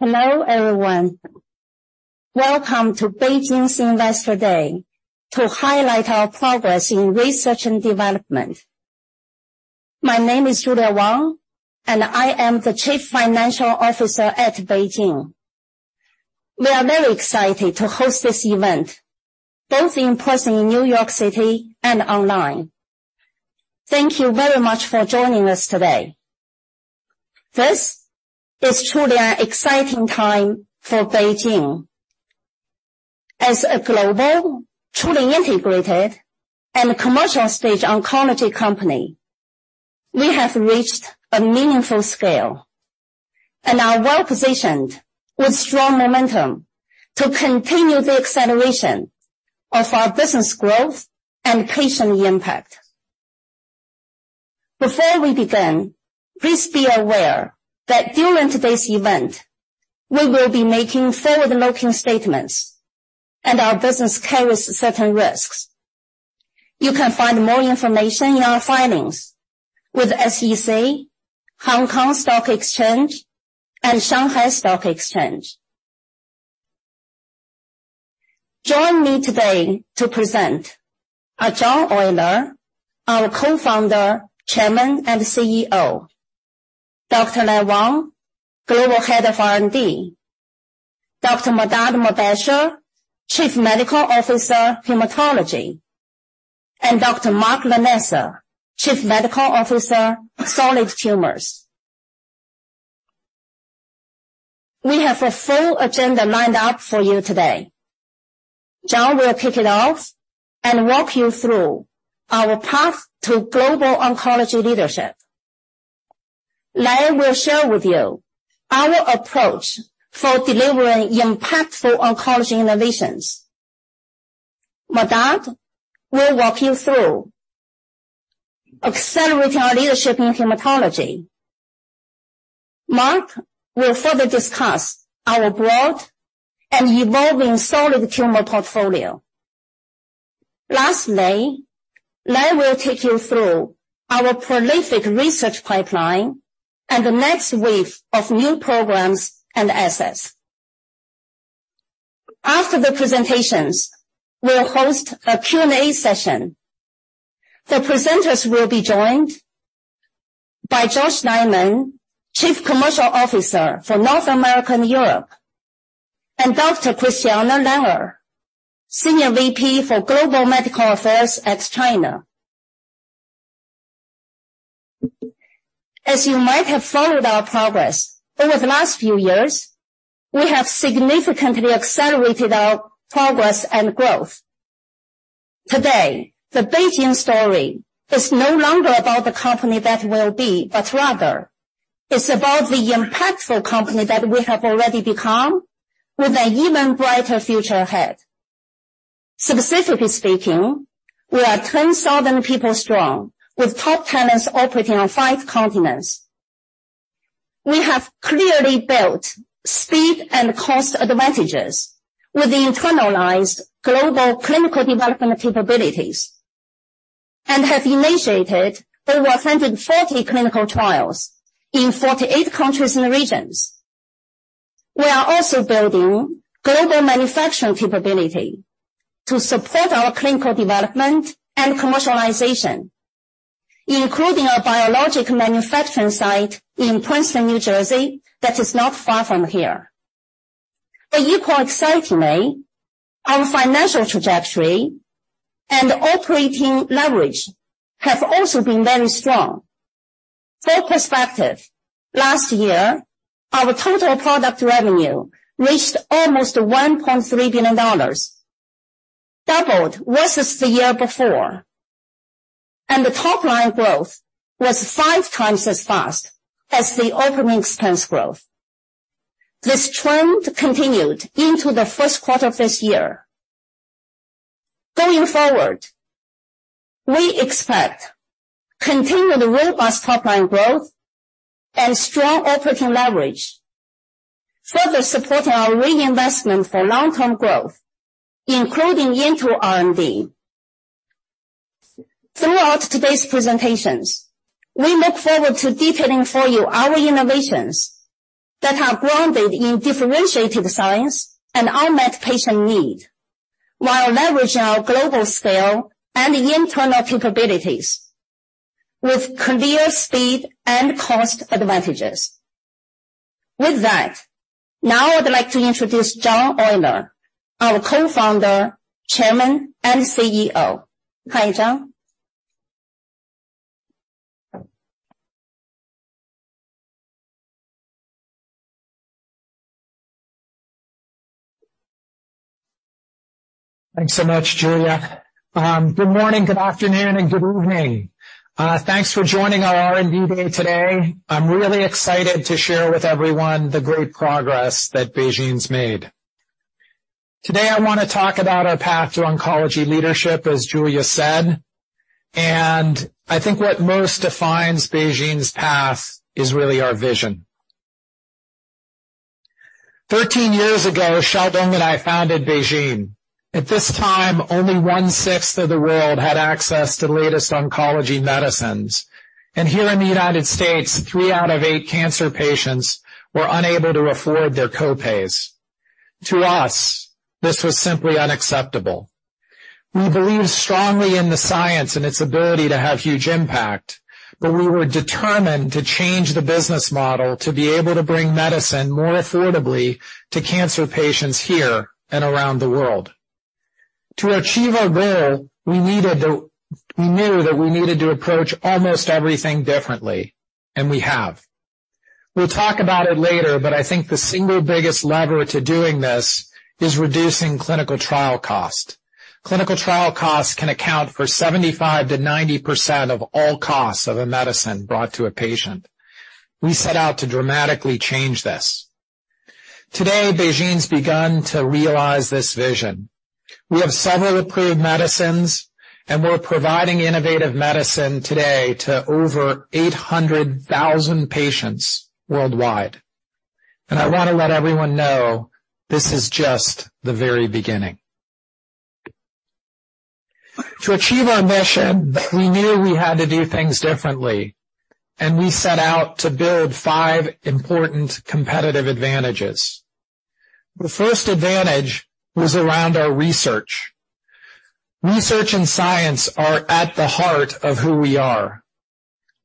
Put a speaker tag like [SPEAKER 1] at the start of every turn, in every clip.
[SPEAKER 1] Hello, everyone. Welcome to BeiGene's Investor Day, to highlight our progress in research and development. My name is Julia Wang, and I am the Chief Financial Officer at BeiGene. We are very excited to host this event, both in person in New York City and online. Thank you very much for joining us today. This is truly an exciting time for BeiGene. As a global, truly integrated, and commercial-stage oncology company, we have reached a meaningful scale and are well-positioned, with strong momentum, to continue the acceleration of our business growth and patient impact. Before we begin, please be aware that during today's event, we will be making forward-looking statements, and our business carries certain risks. You can find more information in our filings with SEC, Hong Kong Stock Exchange, and Shanghai Stock Exchange. Joining me today to present are John Oyler, our Co-founder, Chairman, and CEO. Dr. Lai Wang, Global Head of R&D, Dr. Mehrdad Mobasher, Chief Medical Officer, Hematology, and Dr. Mark Lanasa, Chief Medical Officer, Solid Tumors. We have a full agenda lined up for you today. John will kick it off and walk you through our path to global oncology leadership. Lai will share with you our approach for delivering impactful oncology innovations. Mehrdad will walk you through accelerating our leadership in hematology. Mark will further discuss our broad and evolving solid tumor portfolio. Lai will take you through our prolific research pipeline and the next wave of new programs and assets. After the presentations, we'll host a Q&A session. The presenters will be joined by Josh Neiman, Chief Commercial Officer for North America and Europe, and Dr. Christiane Langer, Senior VP for Global Medical Affairs at China. As you might have followed our progress, over the last few years, we have significantly accelerated our progress and growth. Today, the BeiGene story is no longer about the company that will be, but rather it's about the impactful company that we have already become, with an even brighter future ahead. Specifically speaking, we are 10,000 people strong, with top talents operating on five continents. We have clearly built speed and cost advantages with the internalized global clinical development capabilities and have initiated over 140 clinical trials in 48 countries and regions. We are also building global manufacturing capability to support our clinical development and commercialization, including a biologic manufacturing site in Princeton, New Jersey, that is not far from here. Equally excitingly, our financial trajectory and operating leverage have also been very strong. For perspective, last year, our total product revenue reached almost $1.3 billion, doubled versus the year before. The top line growth was 5x as fast as the operating expense growth. This trend continued into the Q1 of this year. Going forward, we expect continued robust top line growth and strong operating leverage, further supporting our reinvestment for long-term growth, including into R&D. Throughout today's presentations, we look forward to detailing for you our innovations that are grounded in differentiated science and unmet patient need, while leveraging our global scale and internal capabilities with clear speed and cost advantages. With that, now I'd like to introduce John Oyler, our Co-Founder, Chairman, and CEO. Hi, John.
[SPEAKER 2] Thanks so much, Julia. Good morning, good afternoon, and good evening. Thanks for joining our R&D Day today. I'm really excited to share with everyone the great progress that BeiGene's made. Today, I wanna talk about our path to oncology leadership, as Julia said, and I think what most defines BeiGene's path is really our vision. 13 years ago, Xiaodong and I founded BeiGene. At this time, only on 1/6 of the world had access to the latest oncology medicines. Here in the United States, three out of eight cancer patients were unable to afford their co-pays. To us, this was simply unacceptable. We believed strongly in the science and its ability to have huge impact, but we were determined to change the business model to be able to bring medicine more affordably to cancer patients here and around the world. To achieve our goal, we knew that we needed to approach almost everything differently, and we have. We'll talk about it later, but I think the single biggest lever to doing this is reducing clinical trial cost. Clinical trial costs can account for 75%-90% of all costs of a medicine brought to a patient. We set out to dramatically change this. Today, BeiGene's begun to realize this vision. We have several approved medicines, and we're providing innovative medicine today to over 800,000 patients worldwide. I want to let everyone know this is just the very beginning. To achieve our mission, we knew we had to do things differently, and we set out to build five important competitive advantages. The first advantage was around our research. Research and science are at the heart of who we are.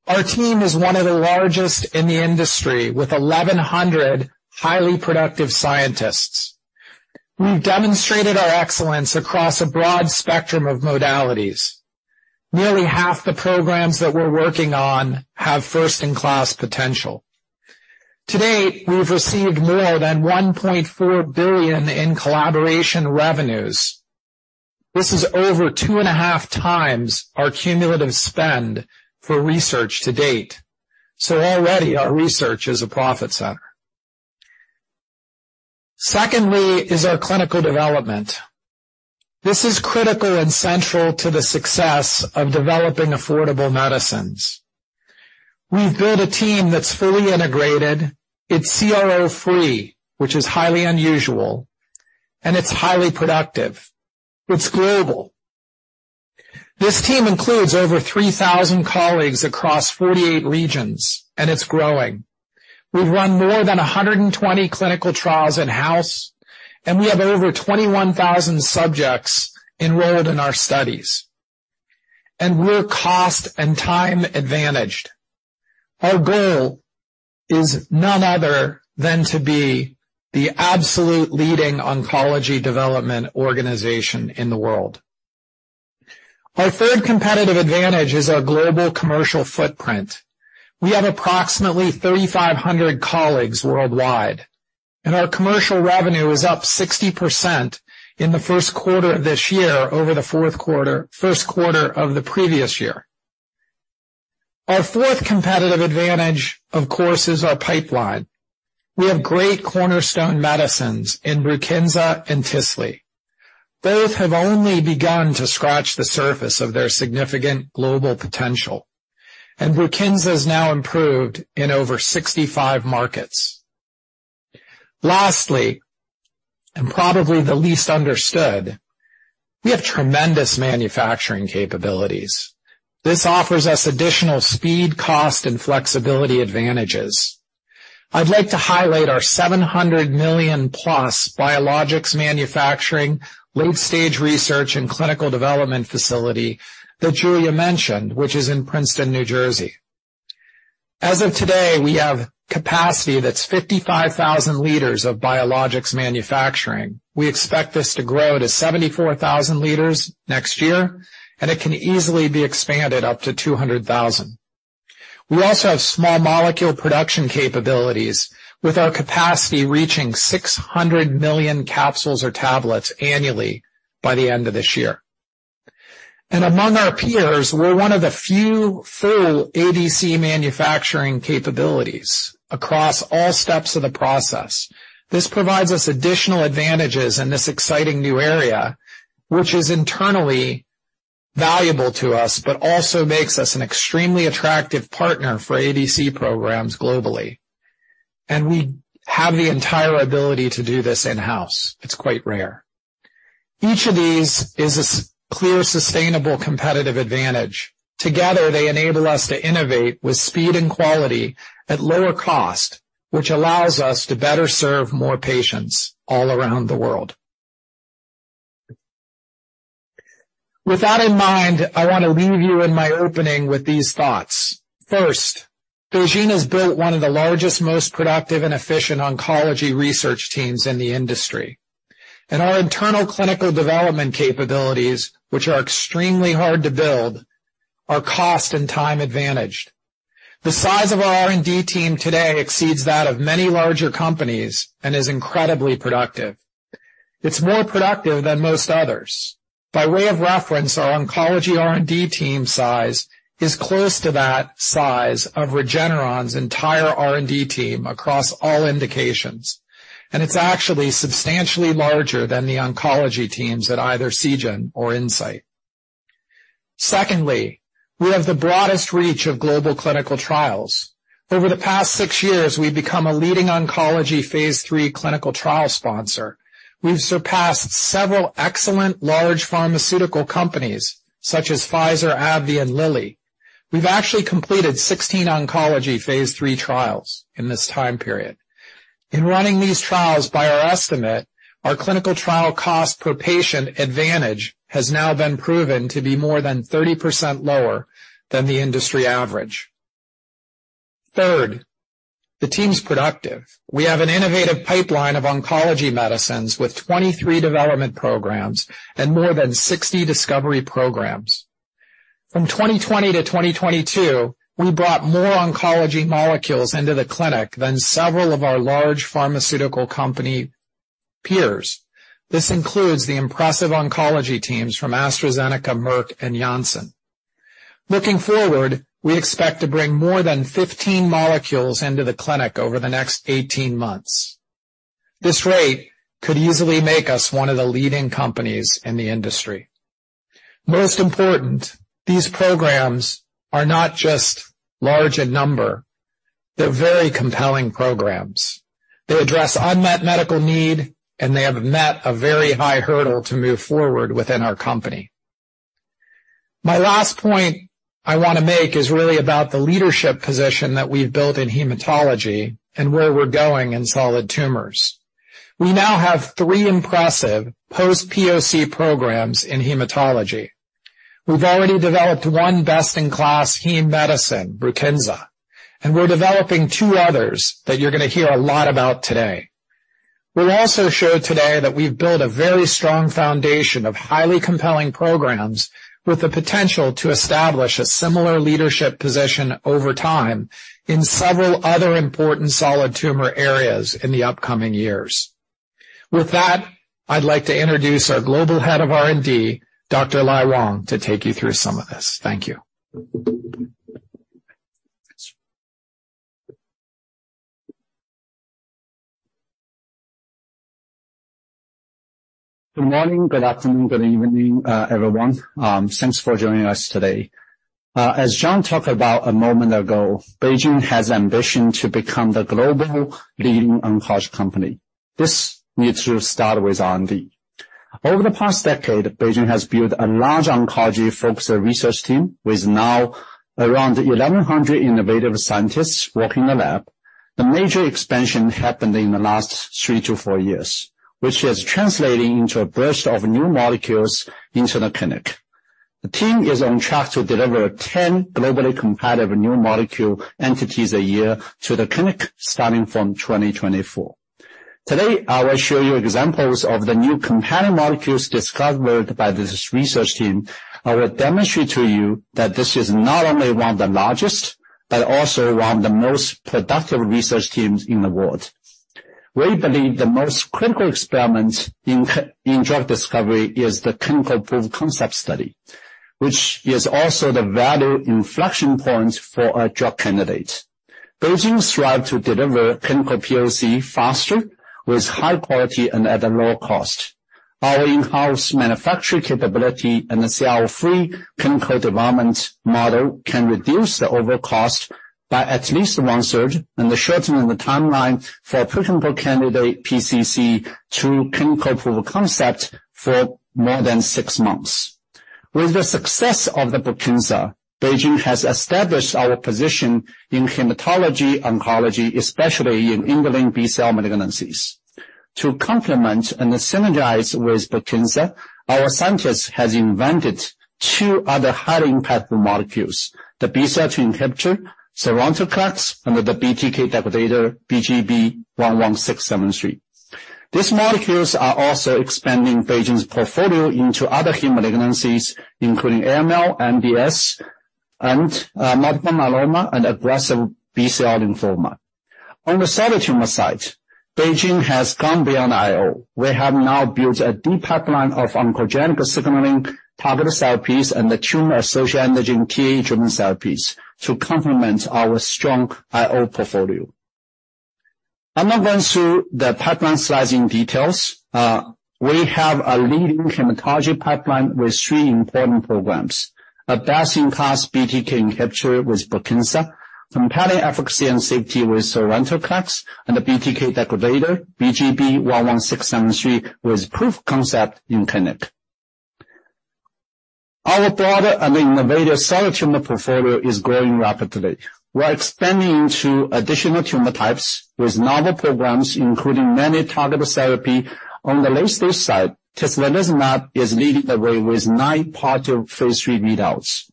[SPEAKER 2] Our team is one of the largest in the industry, with 1,100 highly productive scientists. We've demonstrated our excellence across a broad spectrum of modalities. Nearly half the programs that we're working on have first-in-class potential. To date, we've received more than $1.4 billion in collaboration revenues. This is over 2.5x our cumulative spend for research to date, so already our research is a profit center. Secondly is our clinical development. This is critical and central to the success of developing affordable medicines. We've built a team that's fully integrated, it's CRO-free, which is highly unusual, and it's highly productive. It's global. This team includes over 3,000 colleagues across 48 regions, and it's growing. We've run more than 120 clinical trials in-house, and we have over 21,000 subjects enrolled in our studies, and we're cost and time advantaged. Our goal is none other than to be the absolute leading oncology development organization in the world. Our third competitive advantage is our global commercial footprint. We have approximately 3,500 colleagues worldwide, and our commercial revenue is up 60% in the Q1 of this year over the Q1 of the previous year. Our fourth competitive advantage, of course, is our pipeline. We have great cornerstone medicines in BRUKINSA and Tisli. Both have only begun to scratch the surface of their significant global potential, and BRUKINSA is now improved in over 65 markets. Lastly, and probably the least understood, we have tremendous manufacturing capabilities. This offers us additional speed, cost, and flexibility advantages. I'd like to highlight our $700+ million biologics manufacturing, late-stage research, and clinical development facility that Julia mentioned, which is in Princeton, New Jersey. As of today, we have capacity that's 55,000 L of biologics manufacturing. We expect this to grow to 74,000 L next year, and it can easily be expanded up to 200,000 L. We also have small molecule production capabilities, with our capacity reaching 600 million capsules or tablets annually by the end of this year. Among our peers, we're one of the few full ADC manufacturing capabilities across all steps of the process. This provides us additional advantages in this exciting new area, which is internally valuable to us, but also makes us an extremely attractive partner for ADC programs globally. We have the entire ability to do this in-house. It's quite rare. Each of these is a clear, sustainable, competitive advantage. Together, they enable us to innovate with speed and quality at lower cost, which allows us to better serve more patients all around the world. With that in mind, I want to leave you in my opening with these thoughts. First, BeiGene has built one of the largest, most productive and efficient oncology research teams in the industry, and our internal clinical development capabilities, which are extremely hard to build, are cost and time advantaged. The size of our R&D team today exceeds that of many larger companies and is incredibly productive. It's more productive than most others. By way of reference, our oncology R&D team size is close to that size of Regeneron's entire R&D team across all indications, and it's actually substantially larger than the oncology teams at either Seagen or Incyte. Secondly, we have the broadest reach of global clinical trials. Over the past six years, we've become a leading oncology phase III clinical trial sponsor. We've surpassed several excellent large pharmaceutical companies such as Pfizer, AbbVie, and Lilly. We've actually completed 16 oncology phase III trials in this time period. In running these trials, by our estimate, our clinical trial cost per patient advantage has now been proven to be more than 30% lower than the industry average. Third, the team's productive. We have an innovative pipeline of oncology medicines with 23 development programs and more than 60 discovery programs. From 2020-2022, we brought more oncology molecules into the clinic than several of our large pharmaceutical company peers. This includes the impressive oncology teams from AstraZeneca, Merck, and Janssen. Looking forward, we expect to bring more than 15 molecules into the clinic over the next 18 months. This rate could easily make us one of the leading companies in the industry. Most important, these programs are not just large in number, they're very compelling programs. They address unmet medical need, and they have met a very high hurdle to move forward within our company. My last point I wanna make is really about the leadership position that we've built in hematology and where we're going in solid tumors. We now have three impressive post-POC programs in hematology. We've already developed one best-in-class heme medicine, BRUKINSA, and we're developing two others that you're gonna hear a lot about today. We'll also show today that we've built a very strong foundation of highly compelling programs with the potential to establish a similar leadership position over time in several other important solid tumor areas in the upcoming years. With that, I'd like to introduce our Global Head of R&D, Dr. Lai Wang, to take you through some of this. Thank you.
[SPEAKER 3] Good morning, good afternoon, good evening, everyone. Thanks for joining us today. As John talked about a moment ago, BeiGene has ambition to become the global leading oncology company. This needs to start with R&D. Over the past decade, BeiGene has built a large oncology-focused research team, with now around 1,100 innovative scientists working in the lab. The major expansion happened in the last three to four years, which is translating into a burst of new molecules into the clinic. The team is on track to deliver 10 globally competitive new molecule entities a year to the clinic, starting from 2024. Today, I will show you examples of the new compelling molecules discovered by this research team. I will demonstrate to you that this is not only one of the largest, but also one of the most productive research teams in the world. We believe the most critical experiment in drug discovery is the clinical proof of concept study, which is also the value inflection point for our drug candidate. BeiGene strive to deliver clinical POC faster, with high quality and at a lower cost. Our in-house manufacturing capability and the CL-free clinical development model can reduce the overall cost by at least 1/3, the shortening the timeline for a pre-clinical candidate, PCC, to clinical proof of concept for more than six months. With the success of BRUKINSA, BeiGene has established our position in hematology oncology, especially in indolent B-cell malignancies. To complement and synergize with BRUKINSA, our scientist has invented two other high-impact molecules, the BCL-2 inhibitor, sonrotoclax, and the BTK degrader, BGB-16673. These molecules are also expanding BeiGene's portfolio into other heme malignancies, including AML, MDS, and multiple myeloma and aggressive B-cell lymphoma. On the solid tumor side, BeiGene has gone beyond IO. We have now built a deep pipeline of oncogenic signaling, targeted therapies, and the tumor-associated antigen TA driven therapies to complement our strong IO portfolio. I'm not going through the pipeline slides in details. We have a leading hematology pipeline with three important programs. A best-in-class BTK inhibitor with BRUKINSA, compelling efficacy and safety with sonrotoclax, and the BTK degrader, BGB-16673, with proof of concept in clinic. Our broader and innovative solid tumor portfolio is growing rapidly. We're expanding into additional tumor types with novel programs, including many targeted therapy. On the latest side, tislelizumab is leading the way with nine part of phase III readouts.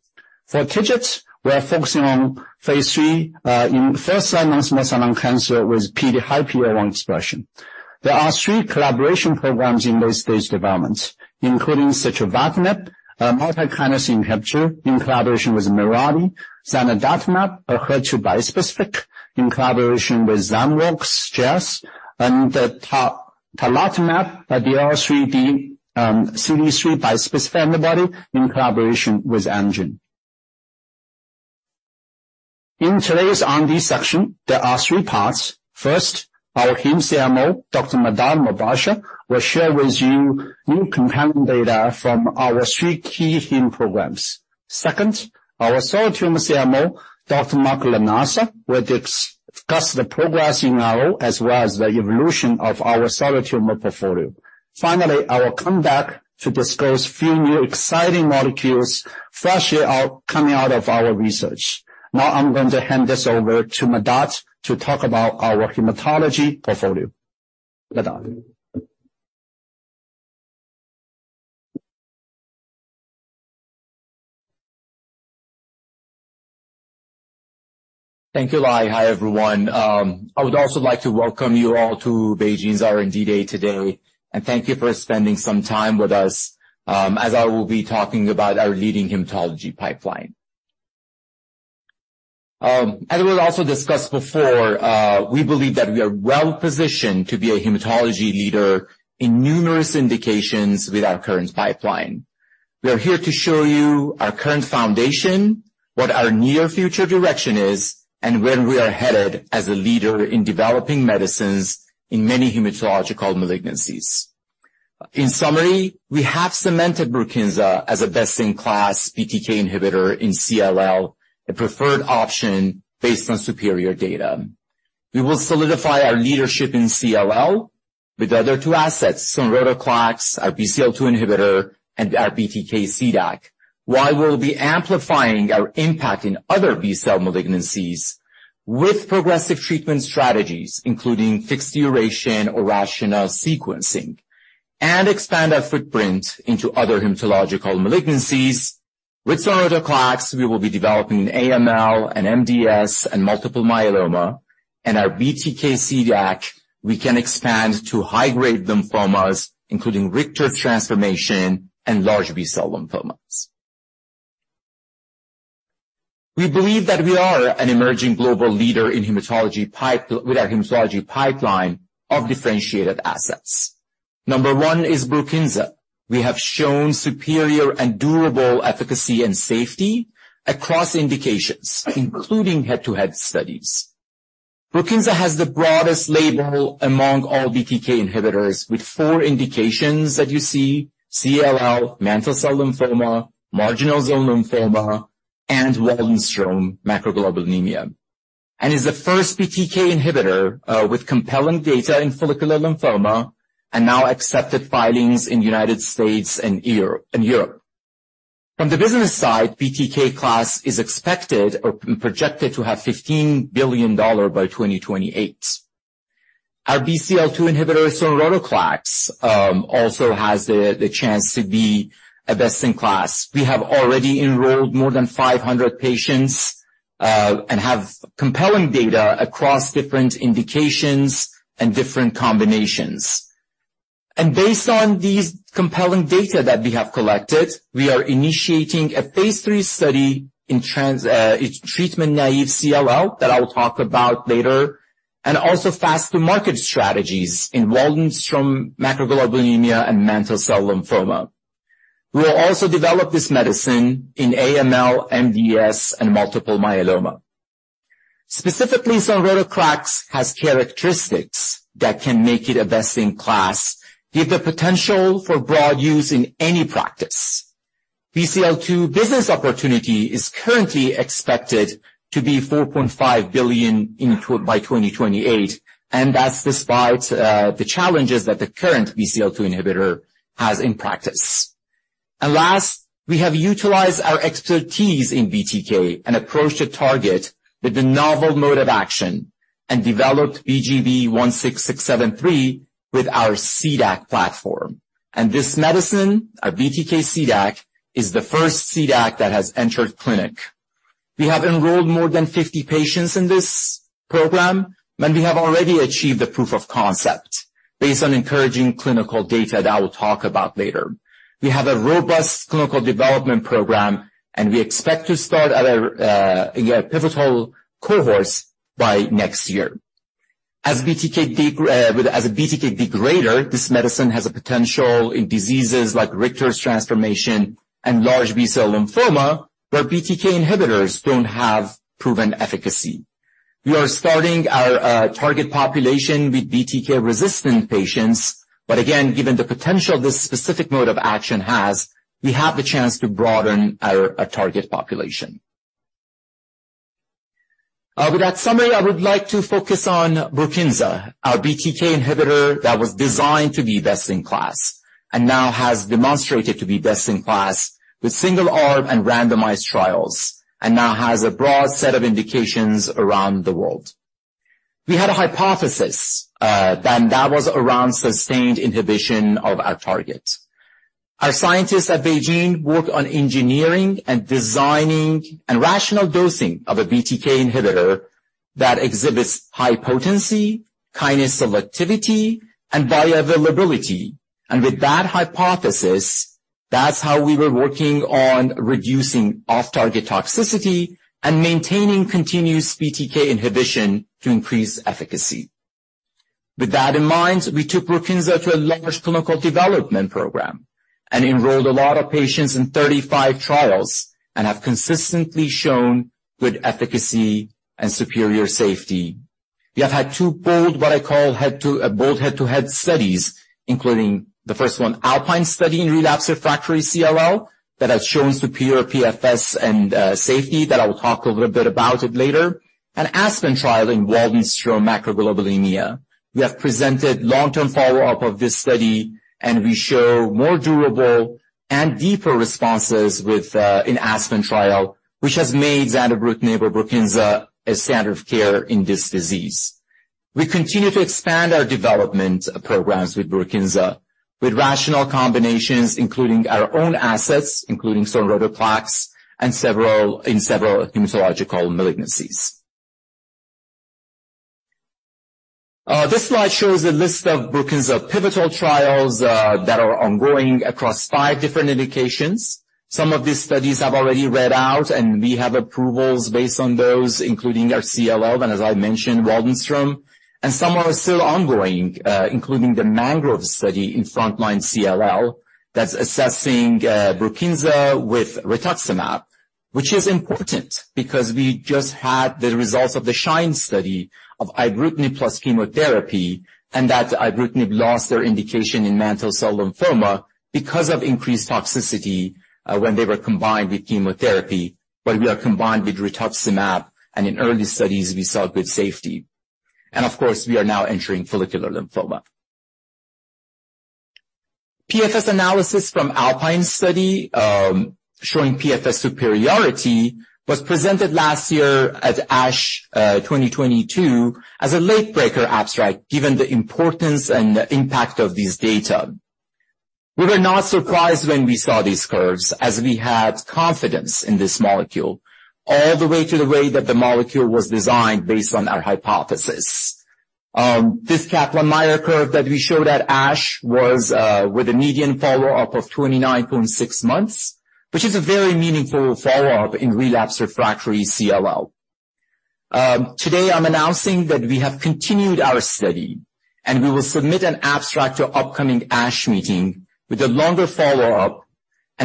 [SPEAKER 3] For TIGIT, we are focusing on phase III in first-line non-small cell lung cancer with PD-L1 expression. There are three collaboration programs in late stage developments, including sitravatinib, a multi-kinase inhibitor in collaboration with Mirati, zanidatamab, a HER2 bispecific, in collaboration with Zymeworks, Jazz, and Tarlatamab, a DLL3/CD3 bispecific antibody, in collaboration with Amgen. In today's R&D section, there are three parts. First, our Heme CMO, Dr. Mehrdad Mobasher, will share with you new compelling data from our three key Heme programs. Second, our solid tumor CMO, Dr. Mark Lanasa, will discuss the progress in RO, as well as the evolution of our solid tumor portfolio. Finally, I will come back to discuss a few new exciting molecules freshly out, coming out of our research. Now, I'm going to hand this over to Mehrdad to talk about our hematology portfolio. Mehrdad?
[SPEAKER 4] Thank you, Lai. Hi, everyone. I would also like to welcome you all to BeiGene's R&D Day today, and thank you for spending some time with us, as I will be talking about our leading hematology pipeline. As I also discussed before, we believe that we are well-positioned to be a hematology leader in numerous indications with our current pipeline. We are here to show you our current foundation, what our near future direction is, and where we are headed as a leader in developing medicines in many hematological malignancies. In summary, we have cemented BRUKINSA as a best-in-class BTK inhibitor in CLL, a preferred option based on superior data. We will solidify our leadership in CLL with the other two assets, sonrotoclax, our BCL-2 inhibitor, and our BTK CDAC, while we'll be amplifying our impact in other B-cell malignancies with progressive treatment strategies, including fixed duration or rational sequencing, and expand our footprint into other hematological malignancies. With sonrotoclax, we will be developing an AML, an MDS, and multiple myeloma, and our BTK CDAC, we can expand to high-grade lymphomas, including Richter's transformation and large B-cell lymphomas. We believe that we are an emerging global leader in hematology with our hematology pipeline of differentiated assets. Number one is BRUKINSA. We have shown superior and durable efficacy and safety across indications, including head-to-head studies. BRUKINSA has the broadest label among all BTK inhibitors, with four indications that you see: CLL, mantle cell lymphoma, marginal zone lymphoma, and Waldenström macroglobulinemia, and is the first BTK inhibitor with compelling data in follicular lymphoma and now accepted filings in the United States and Europe. From the business side, BTK class is expected or projected to have $15 billion by 2028. Our BCL-2 inhibitor, sonrotoclax, also has the chance to be a best-in-class. We have already enrolled more than 500 patients and have compelling data across different indications and different combinations. Based on these compelling data that we have collected, we are initiating a phase III study in treatment-naive CLL that I will talk about later, and also fast-to-market strategies in Waldenström macroglobulinemia and mantle cell lymphoma. We will also develop this medicine in AML, MDS, and multiple myeloma. Specifically, sonrotoclax has characteristics that can make it a best in class, give the potential for broad use in any practice. BCL-2 business opportunity is currently expected to be $4.5 billion by 2028, and that's despite the challenges that the current BCL-2 inhibitor has in practice. Last, we have utilized our expertise in BTK and approached a target with a novel mode of action and developed BGB-16673 with our CDAC platform. This medicine, our BTK CDAC, is the first CDAC that has entered clinic. We have enrolled more than 50 patients in this program, We have already achieved a proof of concept based on encouraging clinical data that I will talk about later. We have a robust clinical development program. We expect to start at a pivotal cohorts by next year. As a BTK degrader, this medicine has a potential in diseases like Richter's transformation and large B-cell lymphoma, where BTK inhibitors don't have proven efficacy. We are starting our target population with BTK-resistant patients. Again, given the potential this specific mode of action has, we have the chance to broaden our target population. With that summary, I would like to focus on BRUKINSA, our BTK inhibitor that was designed to be best-in-class and now has demonstrated to be best-in-class with single arm and randomized trials, and now has a broad set of indications around the world. We had a hypothesis. That was around sustained inhibition of our target. Our scientists at BeiGene worked on engineering and designing and rational dosing of a BTK inhibitor that exhibits high potency, kindness, selectivity, and bioavailability. With that hypothesis, that's how we were working on reducing off-target toxicity and maintaining continuous BTK inhibition to increase efficacy. With that in mind, we took BRUKINSA to a large clinical development program and enrolled a lot of patients in 35 trials, and have consistently shown good efficacy and superior safety. We have had two bold, what I call head-to-head studies, including the first one, ALPINE study in relapsed refractory CLL, that has shown superior PFS and safety, that I will talk a little bit about it later. An ASPEN trial in Waldenström macroglobulinemia. We have presented long-term follow-up of this study, and we show more durable and deeper responses with in ASPEN trial, which has made zanubrutinib or BRUKINSA a standard of care in this disease. We continue to expand our development programs with BRUKINSA, with rational combinations, including our own assets, including sotorasib, in several hematological malignancies. This slide shows a list of BRUKINSA pivotal trials that are ongoing across five different indications. Some of these studies have already read out, and we have approvals based on those, including our CLL, and as I mentioned, Waldenström. Some are still ongoing, including the MANGROVE study in frontline CLL, that's assessing BRUKINSA with rituximab. We just had the results of the SHINE study of ibrutinib plus chemotherapy, and that ibrutinib lost their indication in mantle cell lymphoma because of increased toxicity when they were combined with chemotherapy. We are combined with rituximab, and in early studies we saw good safety. Of course, we are now entering follicular lymphoma. PFS analysis from ALPINE study, showing PFS superiority, was presented last year at ASH 2022, as a late-breaker abstract, given the importance and the impact of this data. We were not surprised when we saw these curves, as we had confidence in this molecule all the way to the way that the molecule was designed based on our hypothesis. This Kaplan-Meier curve that we showed at ASH was with a median follow-up of 29.6 months, which is a very meaningful follow-up in relapsed refractory CLL. Today I'm announcing that we have continued our study, and we will submit an abstract to upcoming ASH meeting with a longer follow-up.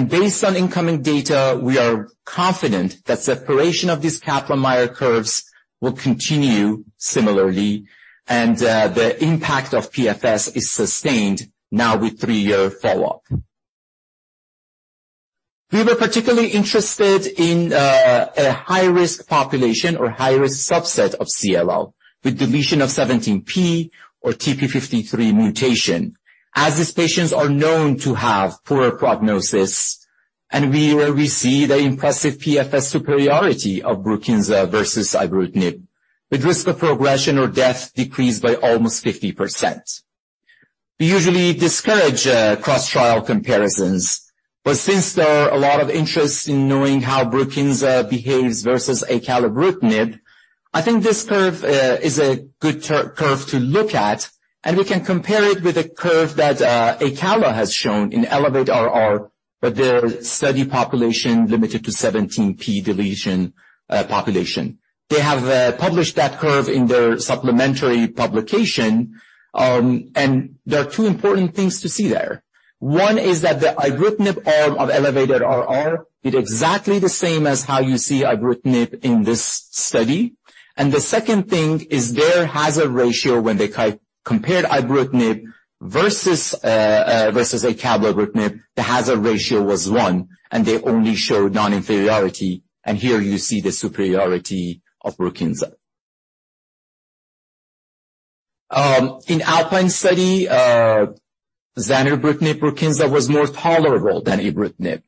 [SPEAKER 4] Based on incoming data, we are confident that separation of these Kaplan-Meier curves will continue similarly, and the impact of PFS is sustained now with three-year follow-up. We were particularly interested in a high-risk population or high-risk subset of CLL, with deletion of 17p or TP53 mutation, as these patients are known to have poorer prognosis. Where we see the impressive PFS superiority of BRUKINSA versus ibrutinib, with risk of progression or death decreased by almost 50%. We usually discourage cross-trial comparisons. Since there are a lot of interest in knowing how BRUKINSA behaves versus acalabrutinib, I think this curve is a good curve to look at, and we can compare it with a curve that acala has shown in ELEVATE-RR, their study population limited to 17p deletion population. They have published that curve in their supplementary publication. There are two important things to see there. One is that the ibrutinib arm of ELEVATE-RR is exactly the same as how you see ibrutinib in this study. The second thing is, their hazard ratio when they compared ibrutinib versus acalabrutinib, the hazard ratio was one, and they only showed non-inferiority. Here you see the superiority of BRUKINSA. In ALPINE study, zanubrutinib BRUKINSA was more tolerable than ibrutinib,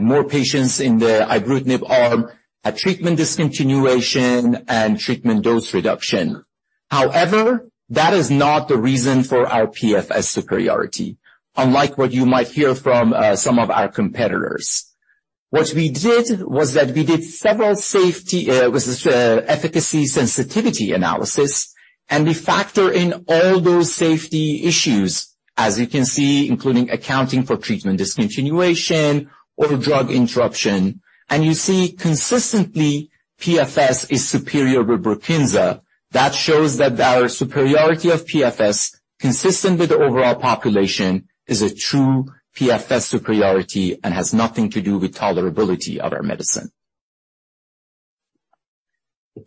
[SPEAKER 4] more patients in the ibrutinib arm had treatment discontinuation and treatment dose reduction. However, that is not the reason for our PFS superiority, unlike what you might hear from some of our competitors. What we did was that we did several safety with efficacy sensitivity analysis, we factor in all those safety issues, as you can see, including accounting for treatment discontinuation or drug interruption. You see, consistently, PFS is superior with BRUKINSA. That shows that our superiority of PFS, consistent with the overall population, is a true PFS superiority and has nothing to do with tolerability of our medicine.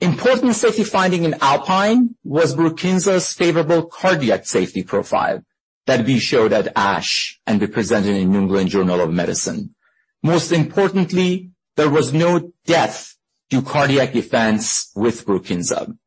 [SPEAKER 4] Important safety finding in ALPINE was BRUKINSA's favorable cardiac safety profile that we showed at ASH and we presented in New England Journal of Medicine. Most importantly, there was no death due cardiac events with BRUKINSA.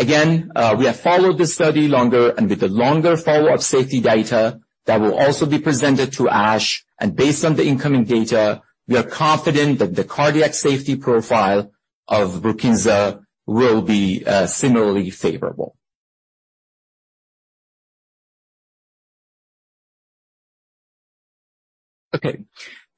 [SPEAKER 4] We have followed this study longer and with a longer follow-up safety data that will also be presented to ASH. Based on the incoming data, we are confident that the cardiac safety profile of BRUKINSA will be similarly favorable. Okay,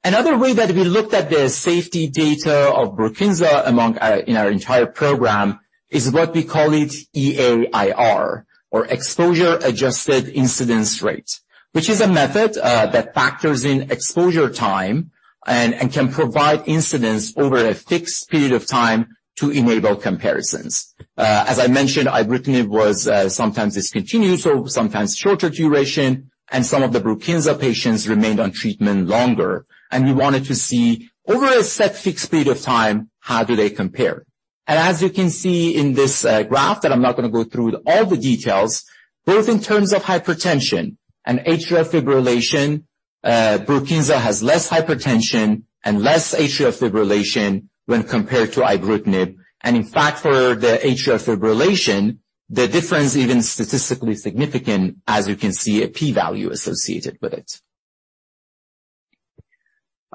[SPEAKER 4] another way that we looked at the safety data of BRUKINSA in our entire program, is what we call it EAIR or Exposure-Adjusted Incidence Rate, which is a method that factors in exposure time and can provide incidence over a fixed period of time to enable comparisons. As I mentioned, ibrutinib was sometimes discontinued, so sometimes shorter duration. Some of the BRUKINSA patients remained on treatment longer, we wanted to see over a set fixed period of time, how do they compare? As you can see in this graph, that I'm not going to go through all the details, both in terms of hypertension and atrial fibrillation, BRUKINSA has less hypertension and less atrial fibrillation when compared to ibrutinib. In fact, for the atrial fibrillation, the difference even statistically significant, as you can see, a P value associated with it.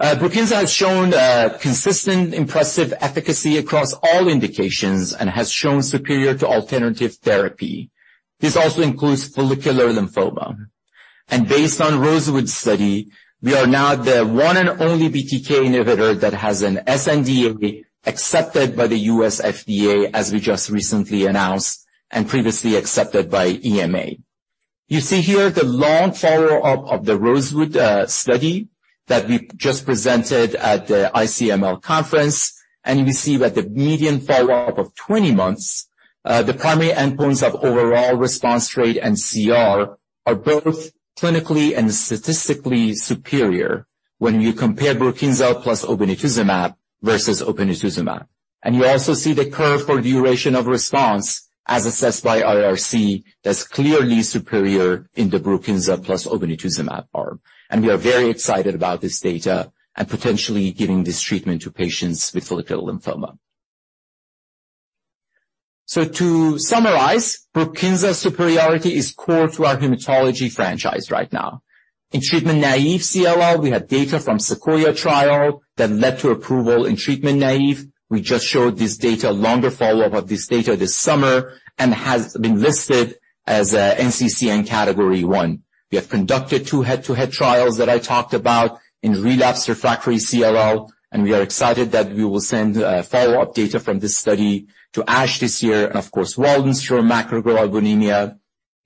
[SPEAKER 4] BRUKINSA has shown consistent, impressive efficacy across all indications and has shown superior to alternative therapy. This also includes follicular lymphoma. Based on ROSEWOOD Study, we are now the one and only BTK inhibitor that has an SNDA accepted by the U.S. FDA, as we just recently announced and previously accepted by EMA. You see here the long follow-up of the ROSEWOOD study that we just presented at the ICML conference. We see that the median follow-up of 20 months, the primary endpoints of overall response rate and CR are both clinically and statistically superior when you compare BRUKINSA plus obinutuzumab versus obinutuzumab. You also see the curve for duration of response as assessed by RRC, that's clearly superior in the BRUKINSA plus obinutuzumab arm. We are very excited about this data and potentially giving this treatment to patients with follicular lymphoma. To summarize, BRUKINSA superiority is core to our hematology franchise right now. In treatment-naive CLL, we have data from SEQUOIA Trial that led to approval in treatment-naive. We just showed this data, longer follow-up of this data this summer and has been listed as NCCN Category One. We have conducted two head-to-head trials that I talked about in relapsed refractory CLL. We are excited that we will send follow-up data from this study to ASH this year. Of course, Waldenström macroglobulinemia.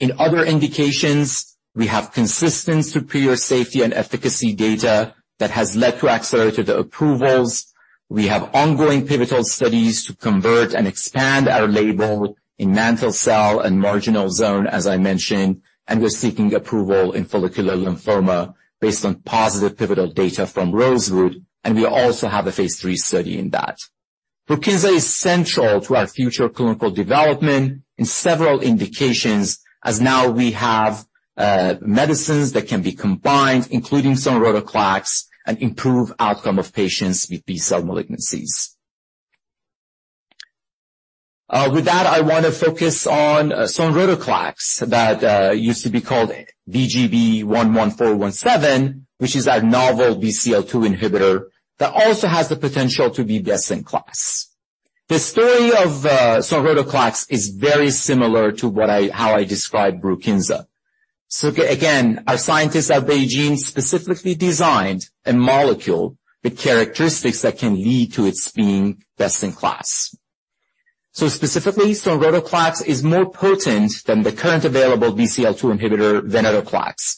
[SPEAKER 4] In other indications, we have consistent, superior safety and efficacy data that has led to accelerated approvals. We have ongoing pivotal studies to convert and expand our label in mantle cell and marginal zone, as I mentioned. We're seeking approval in follicular lymphoma based on positive pivotal data from ROSEWOOD. We also have a Phase III study in that. BRUKINSA is central to our future clinical development in several indications, as now we have medicines that can be combined, including sonrotoclax, and improve outcome of patients with B-cell malignancies. With that, I want to focus on sonrotoclax, that used to be called BGB-11417, which is our novel BCL-2 inhibitor that also has the potential to be best-in-class. The story of sonrotoclax is very similar to how I described BRUKINSA. Again, our scientists at BeiGene specifically designed a molecule, the characteristics that can lead to its being best-in-class. Specifically, sonrotoclax is more potent than the current available BCL-2 inhibitor, venetoclax.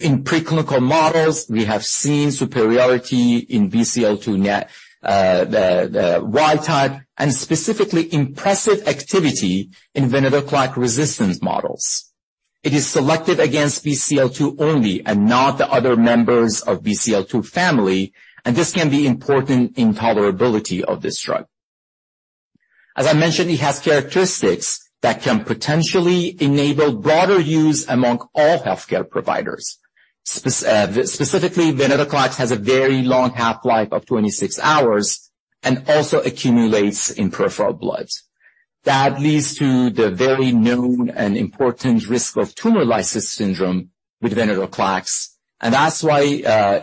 [SPEAKER 4] In preclinical models, we have seen superiority in BCL-2 net, the wild type, and specifically impressive activity in venetoclax resistance models. It is selective against BCL-2 only and not the other members of BCL-2 family, and this can be important in tolerability of this drug. As I mentioned, it has characteristics that can potentially enable broader use among all healthcare providers. Specifically, venetoclax has a very long half-life of 26 hours and also accumulates in peripheral blood. That leads to the very known and important risk of tumor lysis syndrome with venetoclax, and that's why,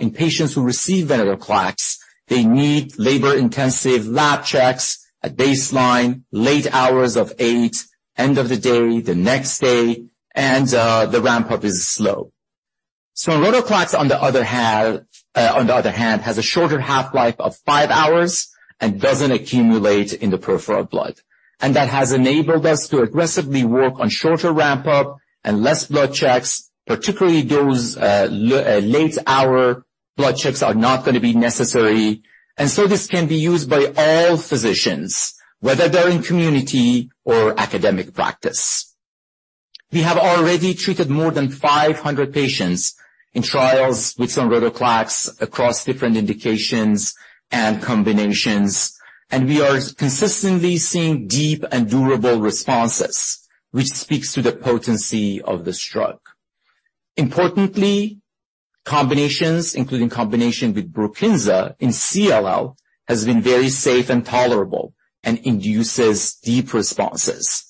[SPEAKER 4] in patients who receive venetoclax, they need labor-intensive lab checks at baseline, late hours of eight, end of the day, the next day, and the ramp-up is slow. Sonrotoclax, on the other hand, has a shorter half-life of five hours and doesn't accumulate in the peripheral blood. That has enabled us to aggressively work on shorter ramp-up and less blood checks, particularly those late hour blood checks are not going to be necessary. This can be used by all physicians, whether they're in community or academic practice. We have already treated more than 500 patients in trials with sonrotoclax across different indications and combinations, and we are consistently seeing deep and durable responses, which speaks to the potency of this drug. Importantly, combinations, including combination with BRUKINSA in CLL, has been very safe and tolerable and induces deep responses.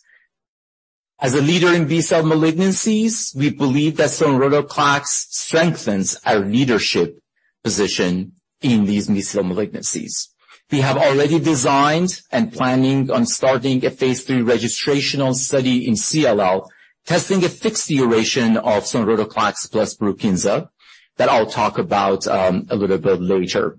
[SPEAKER 4] As a leader in B-cell malignancies, we believe that sonrotoclax strengthens our leadership position in these B-cell malignancies. We have already designed and planning on starting a phase III registrational study in CLL, testing a fixed duration of sonrotoclax plus BRUKINSA that I'll talk about a little bit later.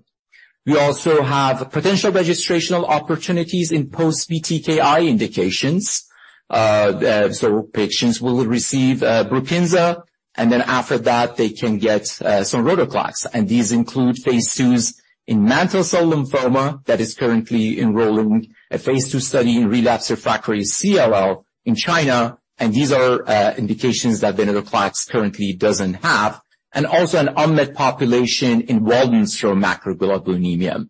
[SPEAKER 4] We also have potential registrational opportunities in post-BTKI indications. Patients will receive BRUKINSA, and then after that, they can get sonrotoclax. This include phase II in mantle cell lymphoma that is currently enrolling a phase II study in relapsed refractory CLL in China. These are indications that venetoclax currently doesn't have, and also an unmet population in Waldenström macroglobulinemia.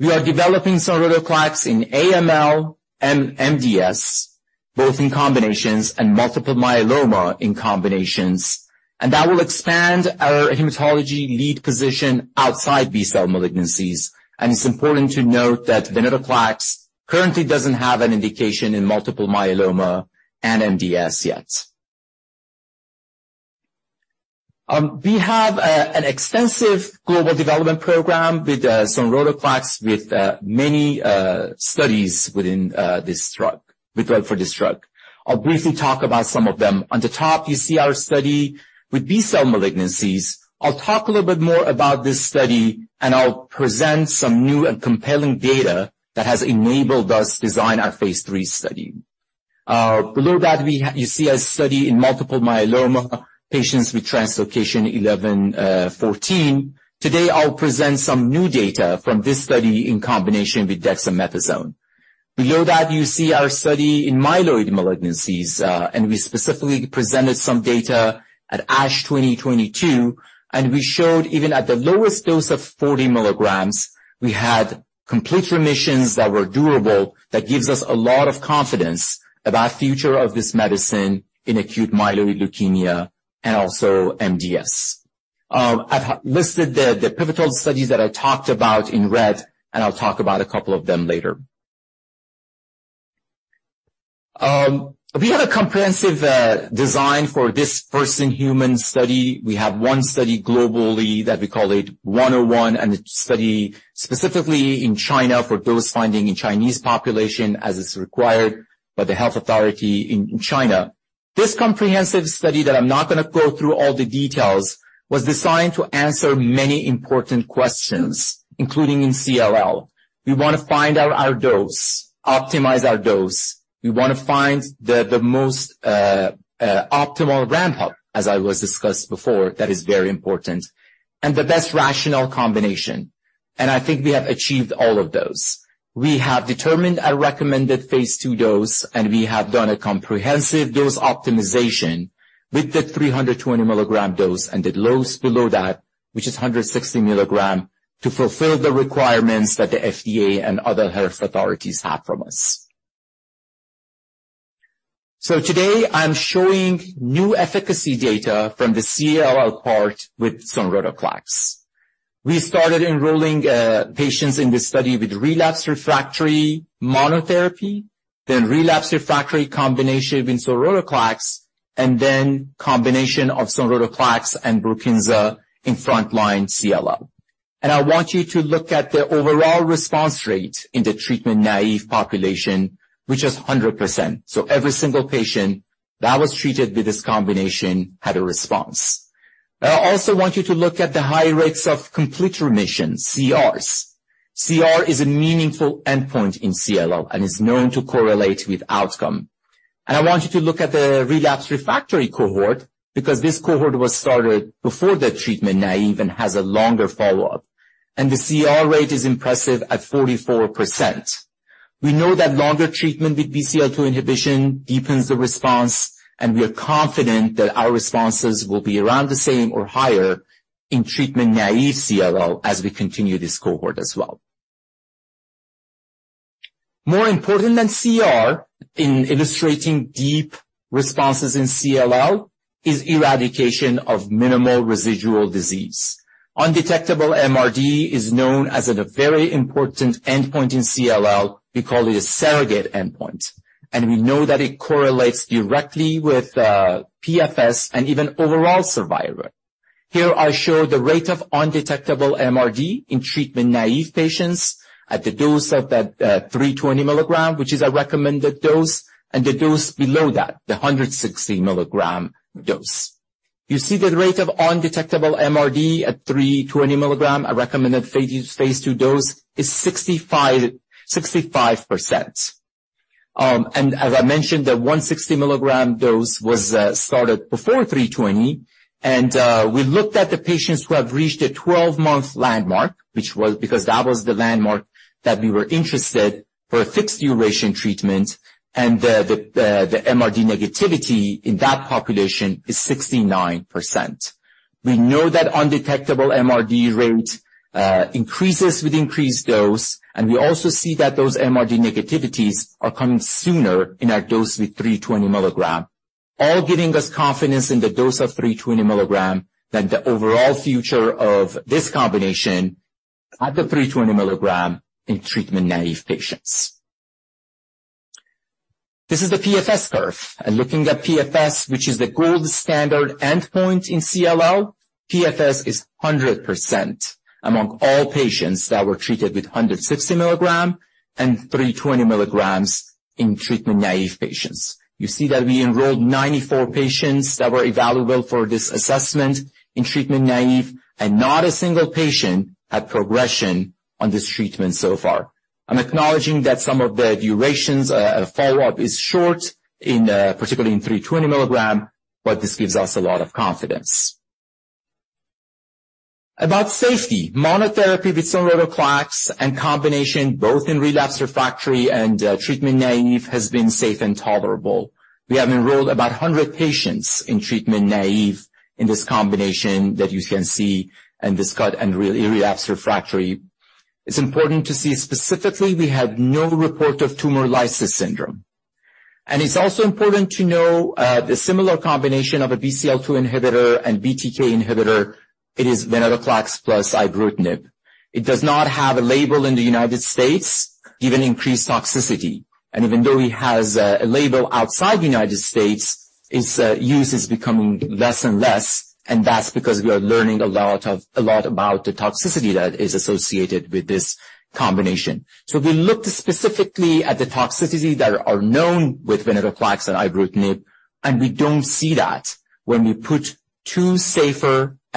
[SPEAKER 4] We are developing sonrotoclax in AML and MDS, both in combinations and multiple myeloma in combinations. That will expand our hematology lead position outside B-cell malignancies. It's important to note that venetoclax currently doesn't have an indication in multiple myeloma and MDS yet. We have an extensive global development program with sonrotoclax, with many studies well for this drug. I'll briefly talk about some of them. On the top you see our study with B-cell malignancies. I'll talk a little bit more about this study, and I'll present some new and compelling data that has enabled us design our phase III study. Below that, you see a study in multiple myeloma patients with translocation 11;14. Today, I'll present some new data from this study in combination with dexamethasone. Below that, you see our study in myeloid malignancies, we specifically presented some data at ASH 2022, and we showed even at the lowest dose of 40 mg, we had complete remissions that were durable. That gives us a lot of confidence about future of this medicine in acute myeloid leukemia and also MDS. I've listed the pivotal studies that I talked about in red, I'll talk about a couple of them later. We have a comprehensive design for this first-in-human study. We have one study globally, that we call it 101, and a study specifically in China for dose finding in Chinese population, as is required by the health authority in China. This comprehensive study, that I'm not going to go through all the details, was designed to answer many important questions, including in CLL. We want to find out our dose, optimize our dose. We want to find the most optimal ramp up, as I was discussed before, that is very important, and the best rational combination, and I think we have achieved all of those. We have determined a recommended phase II dose, and we have done a comprehensive dose optimization with the 320 mg dose and the dose below that, which is 160 mg, to fulfill the requirements that the FDA and other health authorities have from us. Today I'm showing new efficacy data from the CLL part with sonrotoclax. We started enrolling patients in this study with relapsed refractory monotherapy, then relapsed refractory combination of sonrotoclax, and then combination of sonrotoclax and BRUKINSA in front line CLL. I want you to look at the overall response rate in the treatment-naive population, which is 100%. Every single patient that was treated with this combination had a response. I also want you to look at the high rates of complete remission, CRs. CR is a meaningful endpoint in CLL and is known to correlate with outcome. I want you to look at the relapsed refractory cohort, because this cohort was started before the treatment naive and has a longer follow-up, and the CR rate is impressive at 44%. We know that longer treatment with BCL-2 inhibition deepens the response. We are confident that our responses will be around the same or higher in treatment-naive CLL as we continue this cohort as well. More important than CR in illustrating deep responses in CLL is eradication of minimal residual disease. Undetectable MRD is known as a very important endpoint in CLL. We call it a surrogate endpoint. We know that it correlates directly with PFS and even overall survival. Here I show the rate of undetectable MRD in treatment-naive patients at the dose of that 320 mg, which is a recommended dose, and the dose below that, the 160 mg dose. You see, the rate of undetectable MRD at 320 mg, a recommended phase II dose, is 65%. As I mentioned, the 160 mg dose was started before 320 mg. We looked at the patients who have reached a 12-month landmark, which was because that was the landmark that we were interested for a fixed-duration treatment. MRD negativity in that population is 69%. We know that undetectable MRD rate increases with increased dose. We also see that those MRD negativities are coming sooner in our dose with 320 mg, all giving us confidence in the dose of 320 mg than the overall future of this combination at the 320 mg in treatment-naive patients. This is the PFS curve. Looking at PFS, which is the gold standard endpoint in CLL, PFS is 100% among all patients that were treated with 160 mg and 320 mg in treatment-naive patients. You see that we enrolled 94 patients that were evaluable for this assessment in treatment naive, not a single patient had progression on this treatment so far. I'm acknowledging that some of the durations, follow-up is short in, particularly in 320 mg, but this gives us a lot of confidence. About safety, monotherapy with sonrotoclax and combination, both in relapsed refractory and, treatment naive, has been safe and tolerable. We have enrolled about 100 patients in treatment naive in this combination that you can see, and this cut and re-relapsed refractory. It's important to see specifically, we have no report of tumor lysis syndrome. It's also important to know, the similar combination of a BCL-2 inhibitor and BTK inhibitor, it is venetoclax plus ibrutinib. It does not have a label in the United States, given increased toxicity. Even though it has a label outside the United States, its use is becoming less and less, and that's because we are learning a lot about the toxicity that is associated with this combination. We looked specifically at the toxicity that are known with venetoclax and ibrutinib,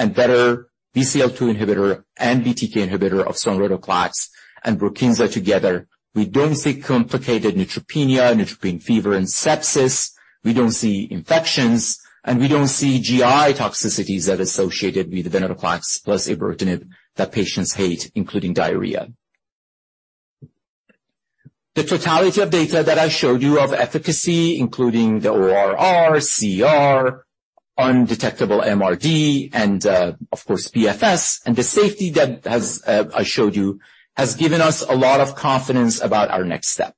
[SPEAKER 4] and we don't see that. When we put two safer and better BCL-2 inhibitor and BTK inhibitor of sonrotoclax and BRUKINSA together, we don't see complicated neutropenia, neutropenic fever, and sepsis. We don't see infections, and we don't see GI toxicities that are associated with the venetoclax plus ibrutinib that patients hate, including diarrhea. The totality of data that I showed you of efficacy, including the ORR, CR, undetectable MRD, and, of course, PFS, and the safety that has I showed you, has given us a lot of confidence about our next step.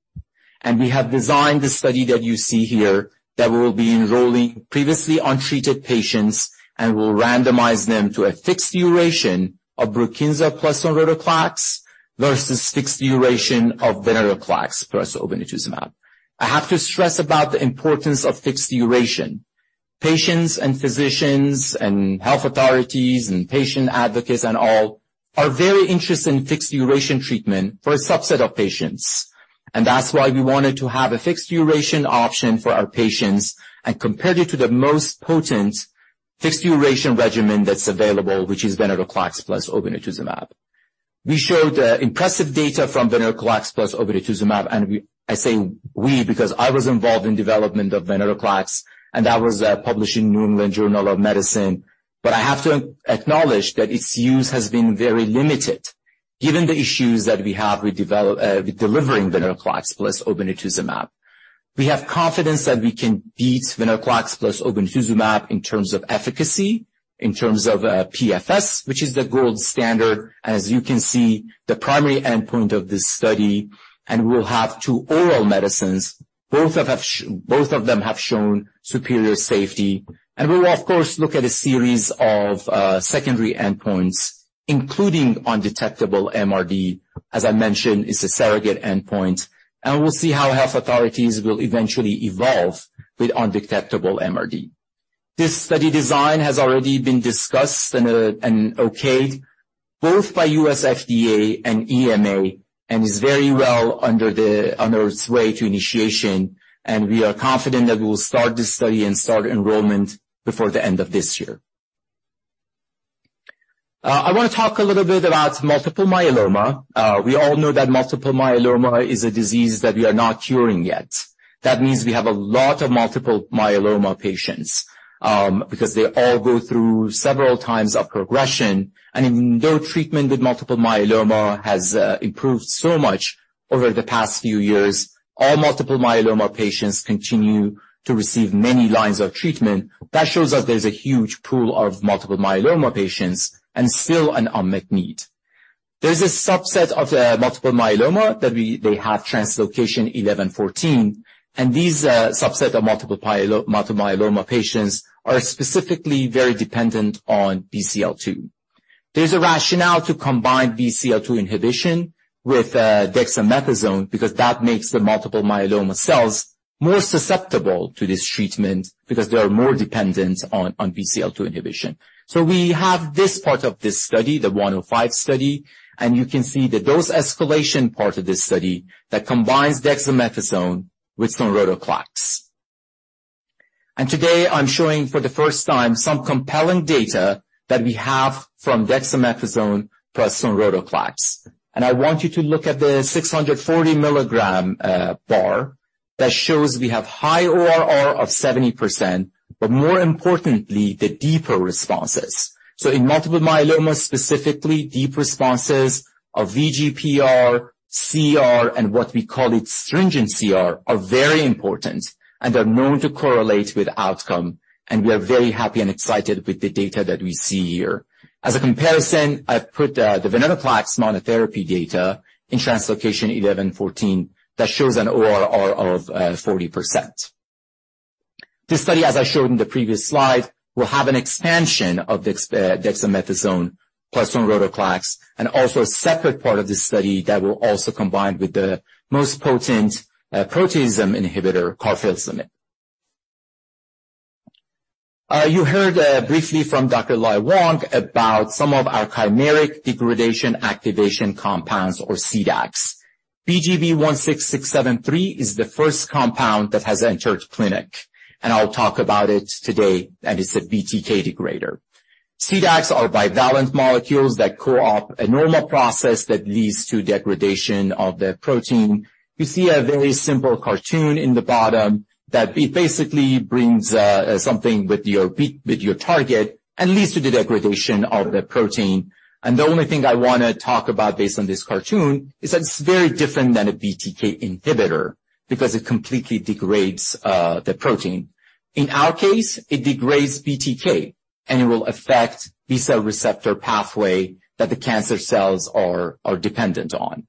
[SPEAKER 4] We have designed the study that you see here that we will be enrolling previously untreated patients and will randomize them to a fixed duration of BRUKINSA plus sonrotoclax versus fixed duration of venetoclax plus obinutuzumab. I have to stress about the importance of fixed duration. Patients and physicians and health authorities and patient advocates and all, are very interested in fixed-duration treatment for a subset of patients. That's why we wanted to have a fixed-duration option for our patients and compare it to the most potent fixed-duration regimen that's available, which is venetoclax plus obinutuzumab. We showed impressive data from venetoclax plus obinutuzumab, and I say we because I was involved in development of venetoclax, and that was published in New England Journal of Medicine. I have to acknowledge that its use has been very limited, given the issues that we have with delivering venetoclax plus obinutuzumab. We have confidence that we can beat venetoclax plus obinutuzumab in terms of efficacy, in terms of PFS, which is the gold standard, as you can see, the primary endpoint of this study, and we'll have two oral medicines. Both of them have shown superior safety, and we will of course, look at a series of secondary endpoints, including undetectable MRD, as I mentioned, is a surrogate endpoint, and we'll see how health authorities will eventually evolve with undetectable MRD. This study design has already been discussed and okayed both by U.S. FDA and EMA, is very well on its way to initiation, and we are confident that we will start this study and start enrollment before the end of this year. I want to talk a little bit about multiple myeloma. We all know that multiple myeloma is a disease that we are not curing yet. That means we have a lot of multiple myeloma patients, because they all go through several times of progression, and even though treatment with multiple myeloma has improved so much over the past few years, all multiple myeloma patients continue to receive many lines of treatment. That shows that there's a huge pool of multiple myeloma patients and still an unmet need. There's a subset of the multiple myeloma that they have translocation 11;14, and these subset of multiple myeloma patients are specifically very dependent on BCL-2. There's a rationale to combine BCL-2 inhibition with dexamethasone because that makes the multiple myeloma cells more susceptible to this treatment because they are more dependent on BCL-2 inhibition. We have this part of this study, the 105 study, and you can see the dose escalation part of this study that combines dexamethasone with sonrotoclax. Today I'm showing for the first time some compelling data that we have from dexamethasone plus sonrotoclax. I want you to look at the 640 mg bar that shows we have high ORR of 70%, but more importantly, the deeper responses. In multiple myeloma, specifically, deep responses of VGPR, CR, and what we call it stringent CR, are very important and are known to correlate with outcome, and we are very happy and excited with the data that we see here. As a comparison, I've put the venetoclax monotherapy data in translocation 11;14, that shows an ORR of 40%. This study, as I showed in the previous slide, will have an expansion of the dexamethasone plus sonrotoclax, and also a separate part of this study that will also combine with the most potent proteasome inhibitor called carfilzomib. You heard briefly from Dr. Lai Wang about some of our chimeric degradation activation compounds, or CDACs. BGB-16673 is the first compound that has entered clinic, and I'll talk about it today, and it's a BTK degrader. CDACs are bivalent molecules that co-opt a normal process that leads to degradation of the protein. You see a very simple cartoon in the bottom that basically brings something with your target and leads to the degradation of the protein. The only thing I want to talk about based on this cartoon is that it's very different than a BTK inhibitor because it completely degrades the protein. In our case, it degrades BTK, and it will affect B-cell receptor pathway that the cancer cells are dependent on.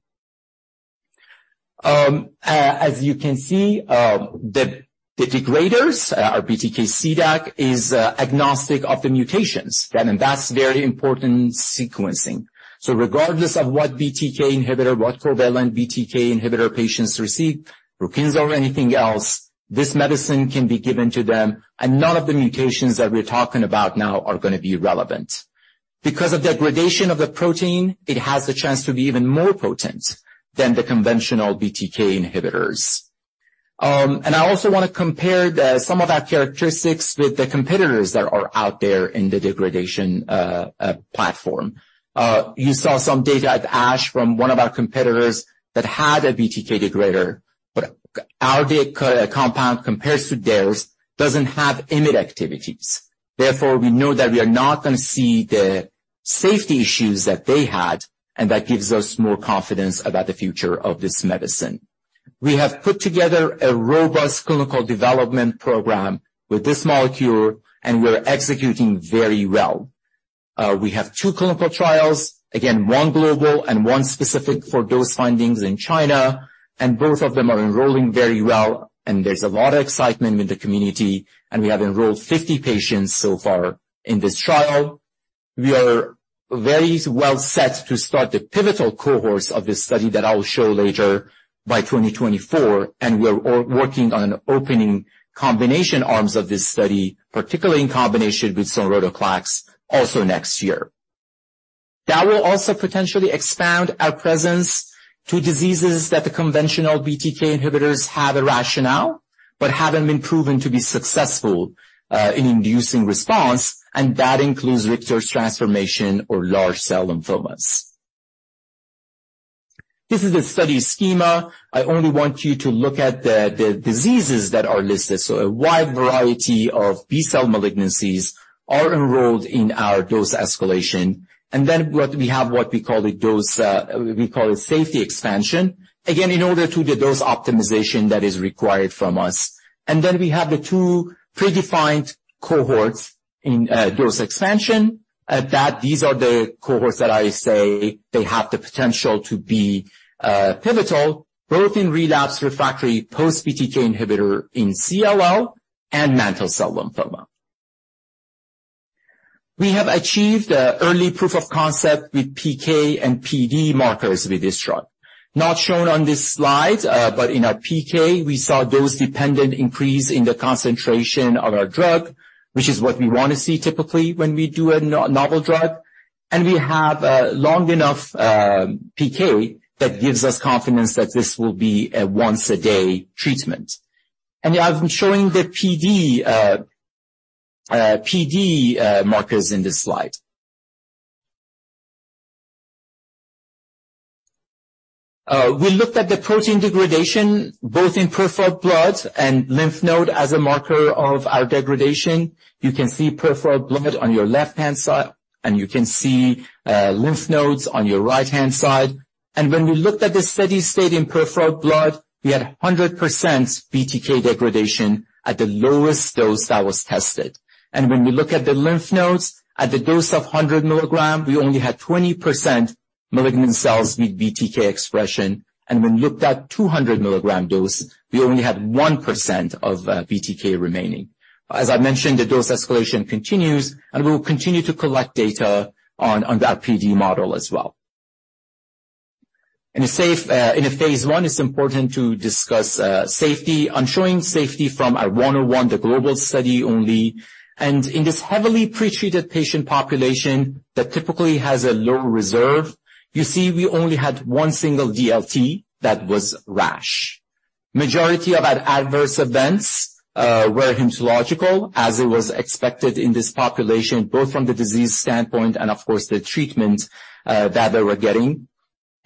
[SPEAKER 4] As you can see, the degraders, our BTK CDAC, is agnostic of the mutations, and that's very important sequencing. Regardless of what BTK inhibitor, what covalent BTK inhibitor patients receive, BRUKINSA or anything else, this medicine can be given to them, and none of the mutations that we're talking about now are going to be relevant. Because of degradation of the protein, it has the chance to be even more potent than the conventional BTK inhibitors. And I also want to compare some of our characteristics with the competitors that are out there in the degradation platform. You saw some data at ASH from one of our competitors that had a BTK degrader, but our compound compares to theirs, doesn't have IMID activities. Therefore, we know that we are not going to see the safety issues that they had, and that gives us more confidence about the future of this medicine. We have put together a robust clinical development program with this molecule, and we're executing very well. We have two clinical trials, again, one global and one specific for dose findings in China, and both of them are enrolling very well, and there's a lot of excitement in the community, and we have enrolled 50 patients so far in this trial. We are very well set to start the pivotal cohorts of this study that I will show later by 2024, and we're working on opening combination arms of this study, particularly in combination with sonrotoclax also next year. That will also potentially expound our presence to diseases that the conventional BTK inhibitors have a rationale, but haven't been proven to be successful, in inducing response, and that includes Richter's transformation or large cell lymphomas. This is a study schema. I only want you to look at the diseases that are listed. A wide variety of B-cell malignancies are enrolled in our dose escalation, and then what we have, what we call a dose, we call a safety expansion, again, in order to the dose optimization that is required from us. We have the two predefined cohorts in dose expansion, that these are the cohorts that I say they have the potential to be pivotal, both in relapsed refractory post-BTK inhibitor in CLL and mantle cell lymphoma. We have achieved early proof of concept with PK and PD markers with this drug. Not shown on this slide, but in our PK, we saw dose-dependent increase in the concentration of our drug, which is what we want to see typically when we do a novel drug. We have a long enough PK that gives us confidence that this will be a once-a-day treatment. I've been showing the PD markers in this slide. We looked at the protein degradation, both in peripheral blood and lymph node, as a marker of our degradation. You can see peripheral blood on your left-hand side, and you can see lymph nodes on your right-hand side. When we looked at the steady state in peripheral blood, we had 100% BTK degradation at the lowest dose that was tested. When we look at the lymph nodes, at the dose of 100 mg, we only had 20% malignant cells with BTK expression, and when we looked at 200 mg dose, we only had 1% of BTK remaining. As I mentioned, the dose escalation continues, we will continue to collect data on our PD model as well. In a phase I, it's important to discuss safety. I'm showing safety from our 101, the global study only. In this heavily pretreated patient population that typically has a low reserve, we only had one single DLT that was rash. Majority of our adverse events were hematological, as it was expected in this population, both from the disease standpoint and of course, the treatment that they were getting.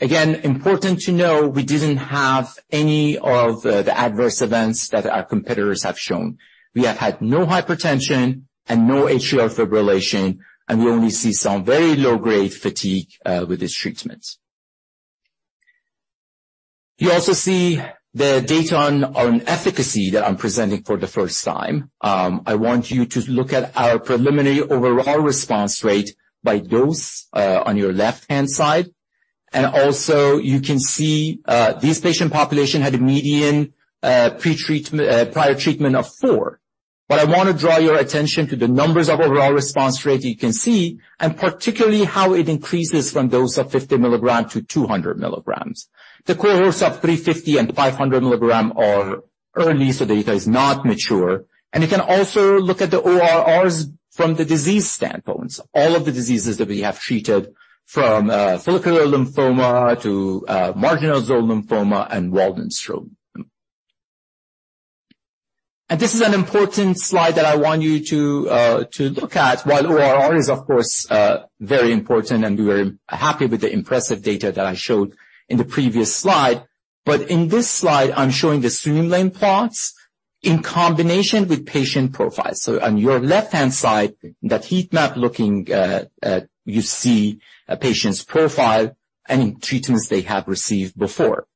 [SPEAKER 4] Again, important to know, we didn't have any of the adverse events that our competitors have shown. We have had no hypertension and no atrial fibrillation, and we only see some very low-grade fatigue with this treatment. You also see the data on efficacy that I'm presenting for the first time. I want you to look at our preliminary overall response rate by dose on your left-hand side. Also, you can see, this patient population had a median pretreatment prior treatment of four. I want to draw your attention to the numbers of overall response rate you can see, and particularly how it increases from dose of 50 mg to 200 mg. The cohorts of 350 mg and 500 mg are early, the data is not mature. You can also look at the ORRs from the disease standpoints, all of the diseases that we have treated, from follicular lymphoma to marginal zone lymphoma and Waldenström. This is an important slide that I want you to look at. While ORR is, of course, very important and we are happy with the impressive data that I showed in the previous slide. In this slide, I'm showing the streamline plots in combination with patient profiles. On your left-hand side, that heat map looking, you see a patient's profile and any treatments they have received before.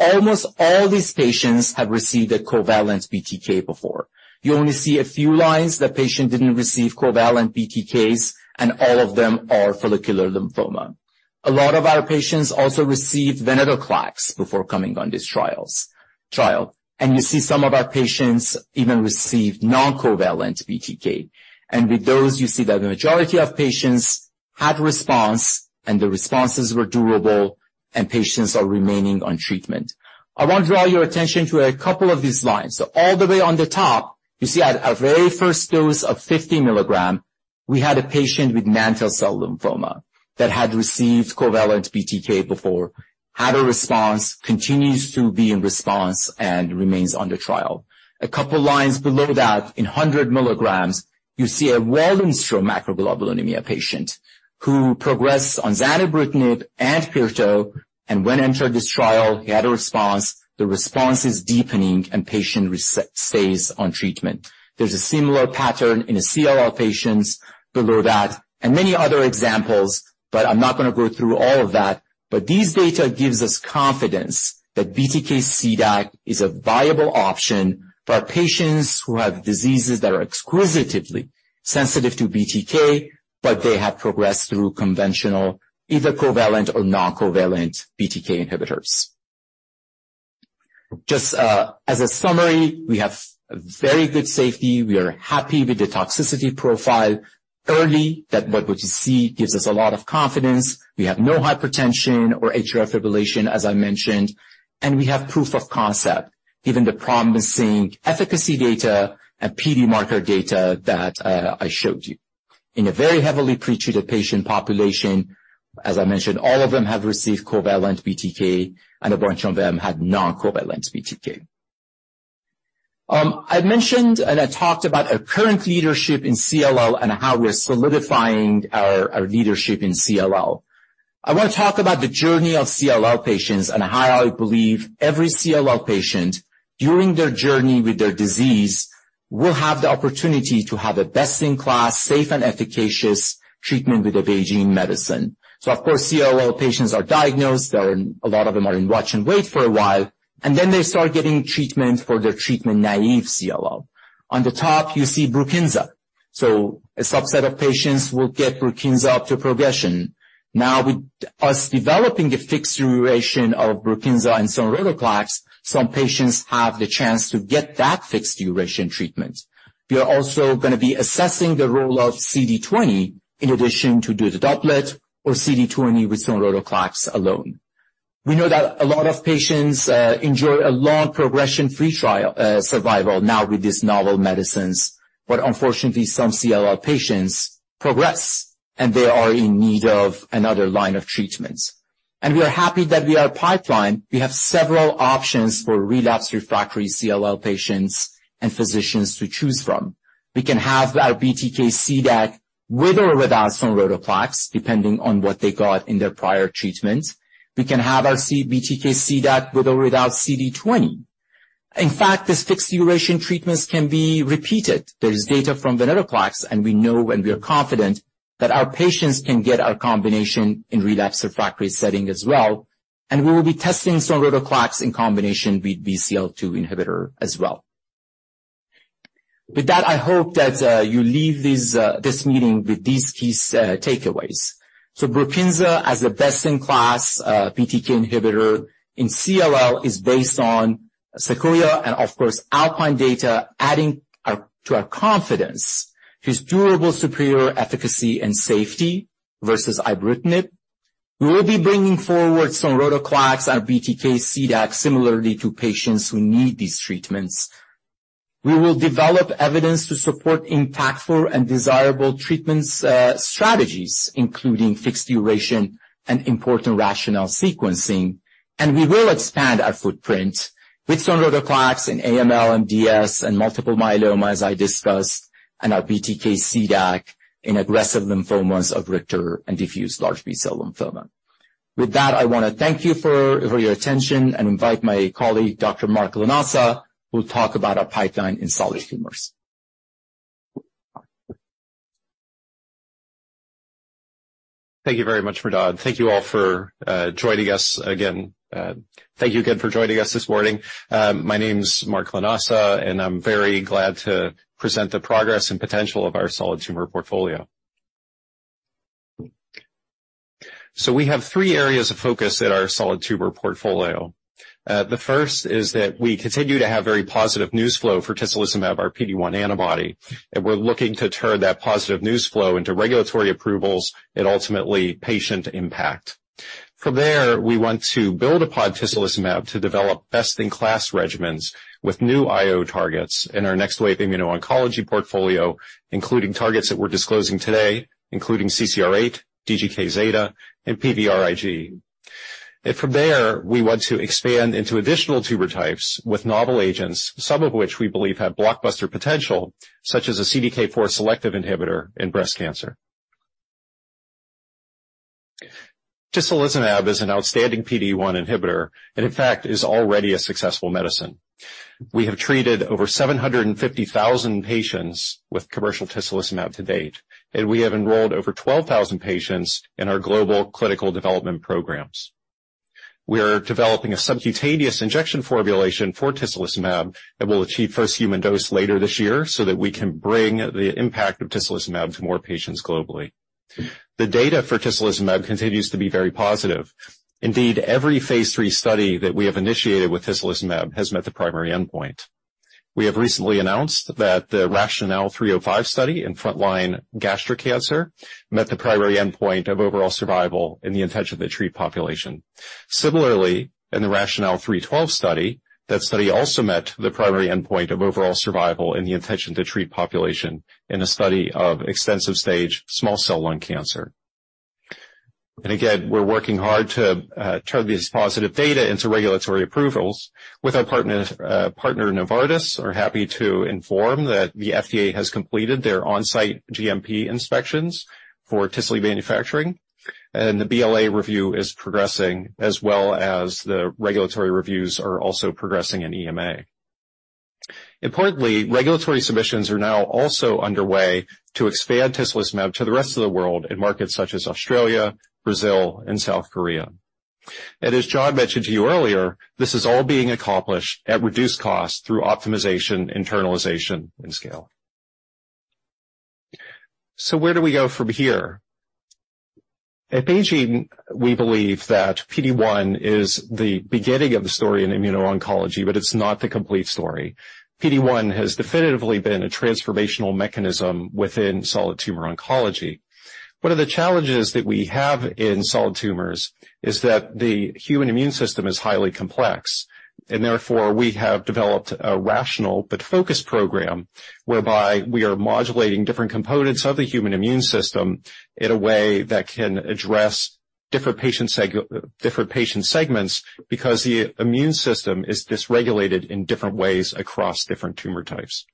[SPEAKER 4] Almost all these patients have received a covalent BTK before. You only see a few lines, the patient didn't receive covalent BTKs, and all of them are follicular lymphoma. A lot of our patients also received venetoclax before coming on these trial, and you see some of our patients even received non-covalent BTK. With those, you see that the majority of patients had response, and the responses were durable, and patients are remaining on treatment. I want to draw your attention to a couple of these lines. All the way on the top, you see at our very first dose of 50 mg, we had a patient with mantle cell lymphoma that had received covalent BTK before, had a response, continues to be in response and remains on the trial. A couple of lines below that, in 100 mg, you see a Waldenström macroglobulinemia patient who progressed on zanubrutinib and pirtobrutinib, and when entered this trial, he had a response. The response is deepening and patient stays on treatment. There's a similar pattern in the CLL patients below that and many other examples, but I'm not going to go through all of that. These data gives us confidence that BTK CDAC is a viable option for patients who have diseases that are exclusively sensitive to BTK, but they have progressed through conventional, either covalent or non-covalent BTK inhibitors. Just as a summary, we have very good safety. We are happy with the toxicity profile. Early, that what we see gives us a lot of confidence. We have no hypertension or atrial fibrillation, as I mentioned, and we have proof of concept, given the promising efficacy data and PD marker data that I showed you. In a very heavily pretreated patient population, as I mentioned, all of them have received covalent BTK, and a bunch of them had non-covalent BTK. I've mentioned and I talked about our current leadership in CLL and how we're solidifying our leadership in CLL. I want to talk about the journey of CLL patients and how I believe every CLL patient, during their journey with their disease, will have the opportunity to have a best-in-class, safe, and efficacious treatment with a BeiGene medicine. Of course, CLL patients are diagnosed, a lot of them are in watch and wait for a while, and then they start getting treatment for their treatment-naive CLL. On the top, you see BRUKINSA. A subset of patients will get BRUKINSA up to progression. Now, with us developing a fixed duration of BRUKINSA and sonrotoclax, some patients have the chance to get that fixed duration treatment. We are also going to be assessing the role of CD20 in addition to do the doublet or CD20 with sonrotoclax alone. We know that a lot of patients enjoy a long progression-free trial, survival now with these novel medicines, but unfortunately, some CLL patients progress, and they are in need of another line of treatment. We are happy that we are a pipeline. We have several options for relapsed refractory CLL patients and physicians to choose from. We can have our BTK CDAC with or without sonrotoclax, depending on what they got in their prior treatment. We can have our BTK CDAC with or without CD20. this fixed duration treatments can be repeated. There's data from venetoclax, and we know and we are confident that our patients can get our combination in relapsed refractory setting as well, and we will be testing sonrotoclax in combination with BCL-2 inhibitor as well. With that, I hope that you leave this meeting with these key takeaways. BRUKINSA, as the best-in-class BTK inhibitor in CLL, is based on SEQUOIA and, of course, ALPINE data, adding to our confidence, whose durable, superior efficacy and safety versus ibrutinib. We will be bringing forward sonrotoclax, our BTK CDAC, similarly to patients who need these treatments. We will develop evidence to support impactful and desirable treatments, strategies, including fixed duration and important rationale sequencing. We will expand our footprint with sonrotoclax in AML, MDS, and multiple myeloma, as I discussed, and our BTK CDAC in aggressive lymphomas of Richter and diffuse large B-cell lymphoma. With that, I want to thank you for your attention and invite my colleague, Dr. Mark Lanasa, who will talk about our pipeline in solid tumors.
[SPEAKER 5] Thank you very much, Mehrdad. Thank you all for joining us again. Thank you again for joining us this morning. My name is Mark Lanasa, and I'm very glad to present the progress and potential of our solid tumor portfolio. We have three areas of focus at our solid tumor portfolio. The first is that we continue to have very positive news flow for tislelizumab, our PD-1 antibody, and we're looking to turn that positive news flow into regulatory approvals and ultimately patient impact. From there, we want to build upon tislelizumab to develop best-in-class regimens with new IO targets in our next wave immuno-oncology portfolio, including targets that we're disclosing today, including CCR8, DGKζ, and PVRIG. From there, we want to expand into additional tumor types with novel agents, some of which we believe have blockbuster potential, such as a CDK4 selective inhibitor in breast cancer. Tislelizumab is an outstanding PD-1 inhibitor and in fact is already a successful medicine. We have treated over 750,000 patients with commercial tislelizumab to date, and we have enrolled over 12,000 patients in our global clinical development programs. We are developing a subcutaneous injection formulation for tislelizumab that will achieve first human dose later this year, so that we can bring the impact of tislelizumab to more patients globally. The data for tislelizumab continues to be very positive. Indeed, every phase III study that we have initiated with tislelizumab has met the primary endpoint. We have recently announced that the RATIONALE-305 study in frontline gastric cancer met the primary endpoint of overall survival in the intention-to-treat population. Similarly, in the RATIONALE-312 study, that study also met the primary endpoint of overall survival in the intention-to-treat population in a study of extensive stage small cell lung cancer. Again, we're working hard to turn these positive data into regulatory approvals with our partner, Novartis, are happy to inform that the FDA has completed their on-site GMP inspections for Tisli manufacturing, and the BLA review is progressing, as well as the regulatory reviews are also progressing in EMA. Importantly, regulatory submissions are now also underway to expand tislelizumab to the rest of the world in markets such as Australia, Brazil, and South Korea. As John mentioned to you earlier, this is all being accomplished at reduced cost through optimization, internalization, and scale. Where do we go from here? At BeiGene, we believe that PD-1 is the beginning of the story in immuno-oncology, but it's not the complete story. PD-1 has definitively been a transformational mechanism within solid tumor oncology. One of the challenges that we have in solid tumors is that the human immune system is highly complex, and therefore we have developed a rational but focused program whereby we are modulating different components of the human immune system in a way that can address different patient segments, because the immune system is dysregulated in different ways across different tumor types.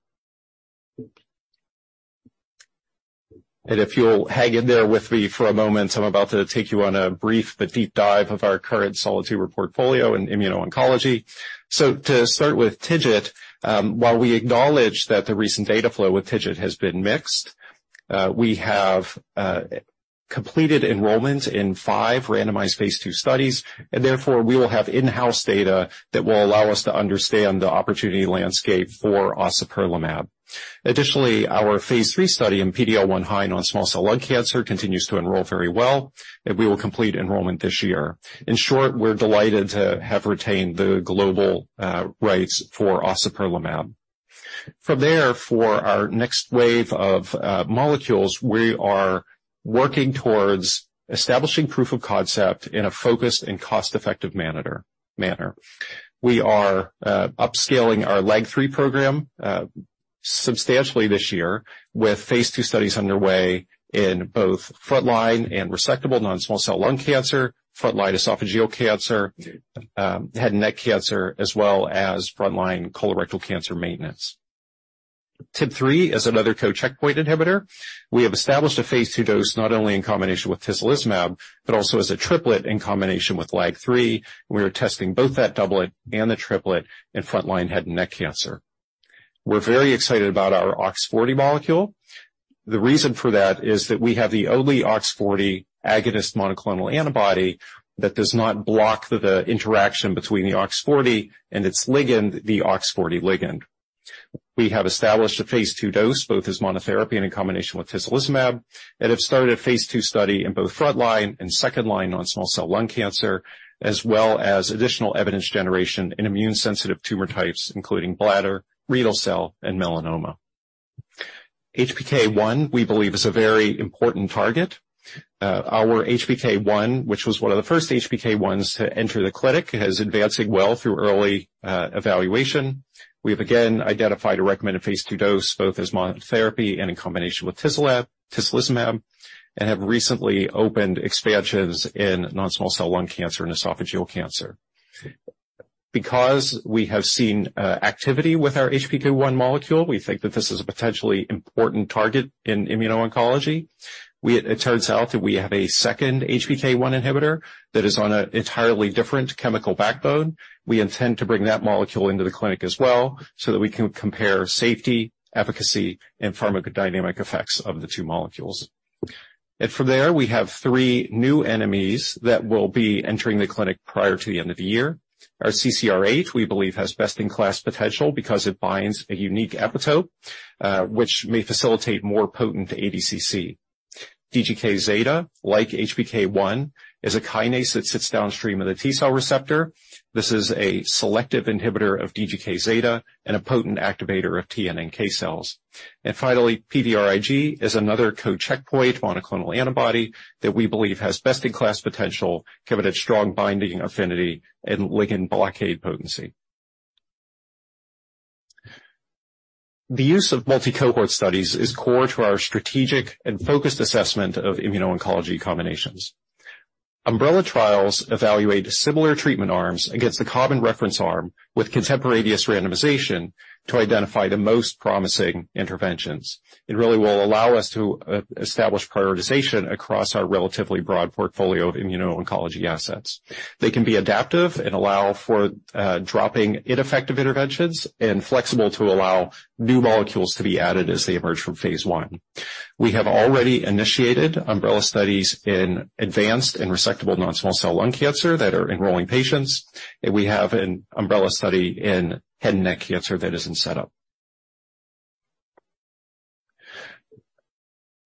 [SPEAKER 5] If you'll hang in there with me for a moment, I'm about to take you on a brief but deep dive of our current solid tumor portfolio in immuno-oncology. To start with TIGIT, while we acknowledge that the recent data flow with TIGIT has been mixed, we have completed enrollment in five randomized phase II studies, and therefore, we will have in-house data that will allow us to understand the opportunity landscape for ociperlimab. Additionally, our phase III study in PD-L1 high non-small cell lung cancer continues to enroll very well, and we will complete enrollment this year. In short, we're delighted to have retained the global rights for ociperlimab. From there, for our next wave of molecules, we are working towards establishing proof of concept in a focused and cost-effective manner. We are upscaling our LAG-3 program substantially this year with phase II studies underway in both frontline and resectable non-small cell lung cancer, frontline esophageal cancer, head and neck cancer, as well as frontline colorectal cancer maintenance. TIM-3 is another co-checkpoint inhibitor. We have established a phase II dose not only in combination with tislelizumab, but also as a triplet in combination with LAG-3. We are testing both that doublet and the triplet in frontline head and neck cancer. We're very excited about our OX40 molecule. The reason for that is that we have the only OX40 agonist monoclonal antibody that does not block the interaction between the OX40 and its ligand, the OX40 ligand. We have established a phase II dose, both as monotherapy and in combination with tislelizumab, and have started a phase II study in both frontline and second line non-small cell lung cancer, as well as additional evidence generation in immune sensitive tumor types, including bladder, renal cell, and melanoma. HPK1, we believe, is a very important target. Our HPK1, which was one of the first HPK1s to enter the clinic, is advancing well through early evaluation. We have again identified a recommended phase II dose, both as monotherapy and in combination with tislelizumab, and have recently opened expansions in non-small cell lung cancer and esophageal cancer. Because we have seen activity with our HPK1 molecule, we think that this is a potentially important target in immuno-oncology. It turns out that we have a second HPK1 inhibitor that is on an entirely different chemical backbone. We intend to bring that molecule into the clinic as well, so that we can compare safety, efficacy, and pharmacodynamic effects of the two molecules. From there, we have three new enemies that will be entering the clinic prior to the end of the year. Our CCR8, we believe, has best-in-class potential because it binds a unique epitope, which may facilitate more potent ADCC. DGKζ, like HPK1, is a kinase that sits downstream of the T cell receptor. This is a selective inhibitor of DGKζ and a potent activator of T and NK cells. Finally, PVRIG is another co-checkpoint monoclonal antibody that we believe has best-in-class potential, given its strong binding affinity and ligand blockade potency. The use of multi-cohort studies is core to our strategic and focused assessment of immuno-oncology combinations. Umbrella trials evaluate similar treatment arms against the common reference arm with contemporaneous randomization to identify the most promising interventions. It really will allow us to establish prioritization across our relatively broad portfolio of immuno-oncology assets. They can be adaptive and allow for dropping ineffective interventions and flexible to allow new molecules to be added as they emerge from phase I. We have already initiated umbrella studies in advanced and resectable non-small cell lung cancer that are enrolling patients. We have an umbrella study in head and neck cancer that is in setup.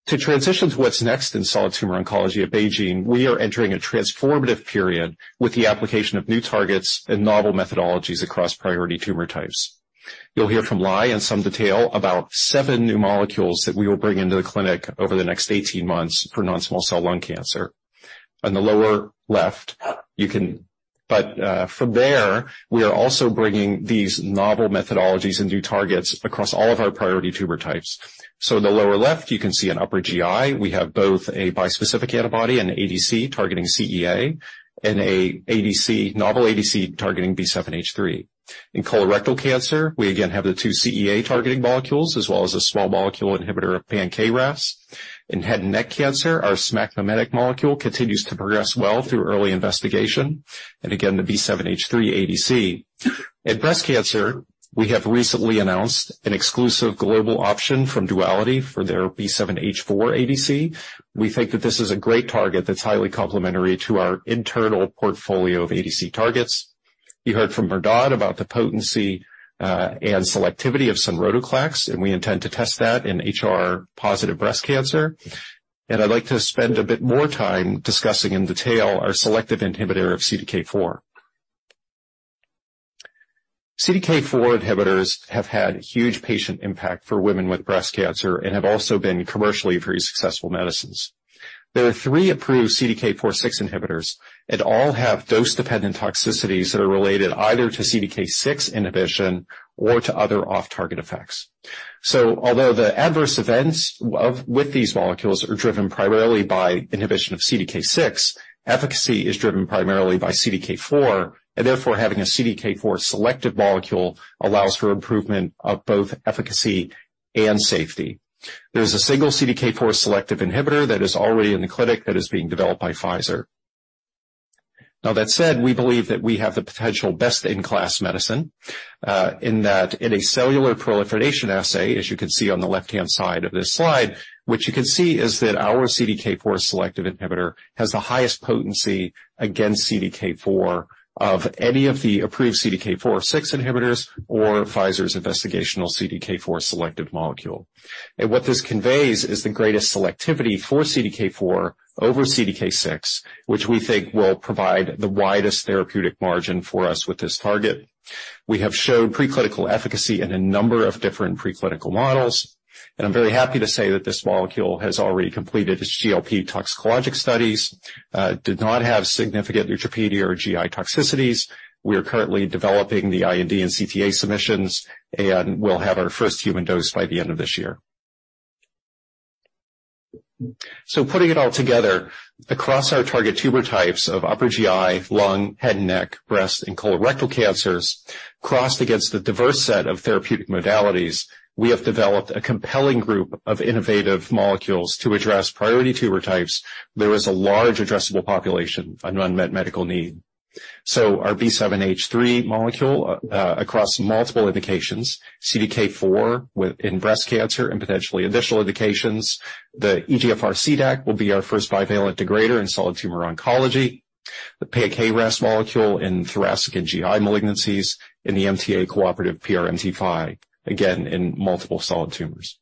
[SPEAKER 5] To transition to what's next in solid tumor oncology at BeiGene, we are entering a transformative period with the application of new targets and novel methodologies across priority tumor types. You'll hear from Lai in some detail about seven new molecules that we will bring into the clinic over the next 18 months for non-small cell lung cancer. On the lower left, from there, we are also bringing these novel methodologies and new targets across all of our priority tumor types. In the lower left, you can see in upper GI, we have both a bispecific antibody and ADC targeting CEA and a ADC, novel ADC targeting B7H3. In colorectal cancer, we again have the two CEA-targeting molecules, as well as a small molecule inhibitor of pan-KRAS. In head and neck cancer, our SMAC mimetic molecule continues to progress well through early investigation, and again, the B7H3 ADC. In breast cancer, we have recently announced an exclusive global option from Duality for their B7H4 ADC. We think that this is a great target that's highly complementary to our internal portfolio of ADC targets. You heard from Mehrdad about the potency and selectivity of sonrotoclax, and we intend to test that in HRR-positive breast cancer. I'd like to spend a bit more time discussing in detail our selective inhibitor of CDK4. CDK4 inhibitors have had huge patient impact for women with breast cancer and have also been commercially very successful medicines. There are three approved CDK4/6 inhibitors, and all have dose-dependent toxicities that are related either to CDK6 inhibition or to other off-target effects. Although the adverse events with these molecules are driven primarily by inhibition of CDK6, efficacy is driven primarily by CDK4, and therefore, having a CDK4 selective molecule allows for improvement of both efficacy and safety. There's a single CDK4 selective inhibitor that is already in the clinic that is being developed by Pfizer. That said, we believe that we have the potential best-in-class medicine, in that in a cellular proliferation assay, as you can see on the left-hand side of this slide, what you can see is that our CDK4 selective inhibitor has the highest potency against CDK4 of any of the approved CDK4/6 inhibitors or Pfizer's investigational CDK4 selective molecule. What this conveys is the greatest selectivity for CDK4 over CDK6, which we think will provide the widest therapeutic margin for us with this target. We have showed preclinical efficacy in a number of different preclinical models, and I'm very happy to say that this molecule has already completed its GLP toxicologic studies, did not have significant neutropenia or GI toxicities. We are currently developing the IND and CTA submissions, and we'll have our first human dose by the end of this year. Putting it all together, across our target tumor types of upper GI, lung, head and neck, breast, and colorectal cancers, crossed against the diverse set of therapeutic modalities, we have developed a compelling group of innovative molecules to address priority tumor types. There is a large addressable population, an unmet medical need. Our B7H3 molecule, across multiple indications, CDK4 in breast cancer and potentially additional indications. The EGFR CDAC will be our first bivalent degrader in solid tumor oncology, the pan-KRAS molecule in thoracic and GI malignancies, and the MTA-cooperative PRMT5, again, in multiple solid tumors.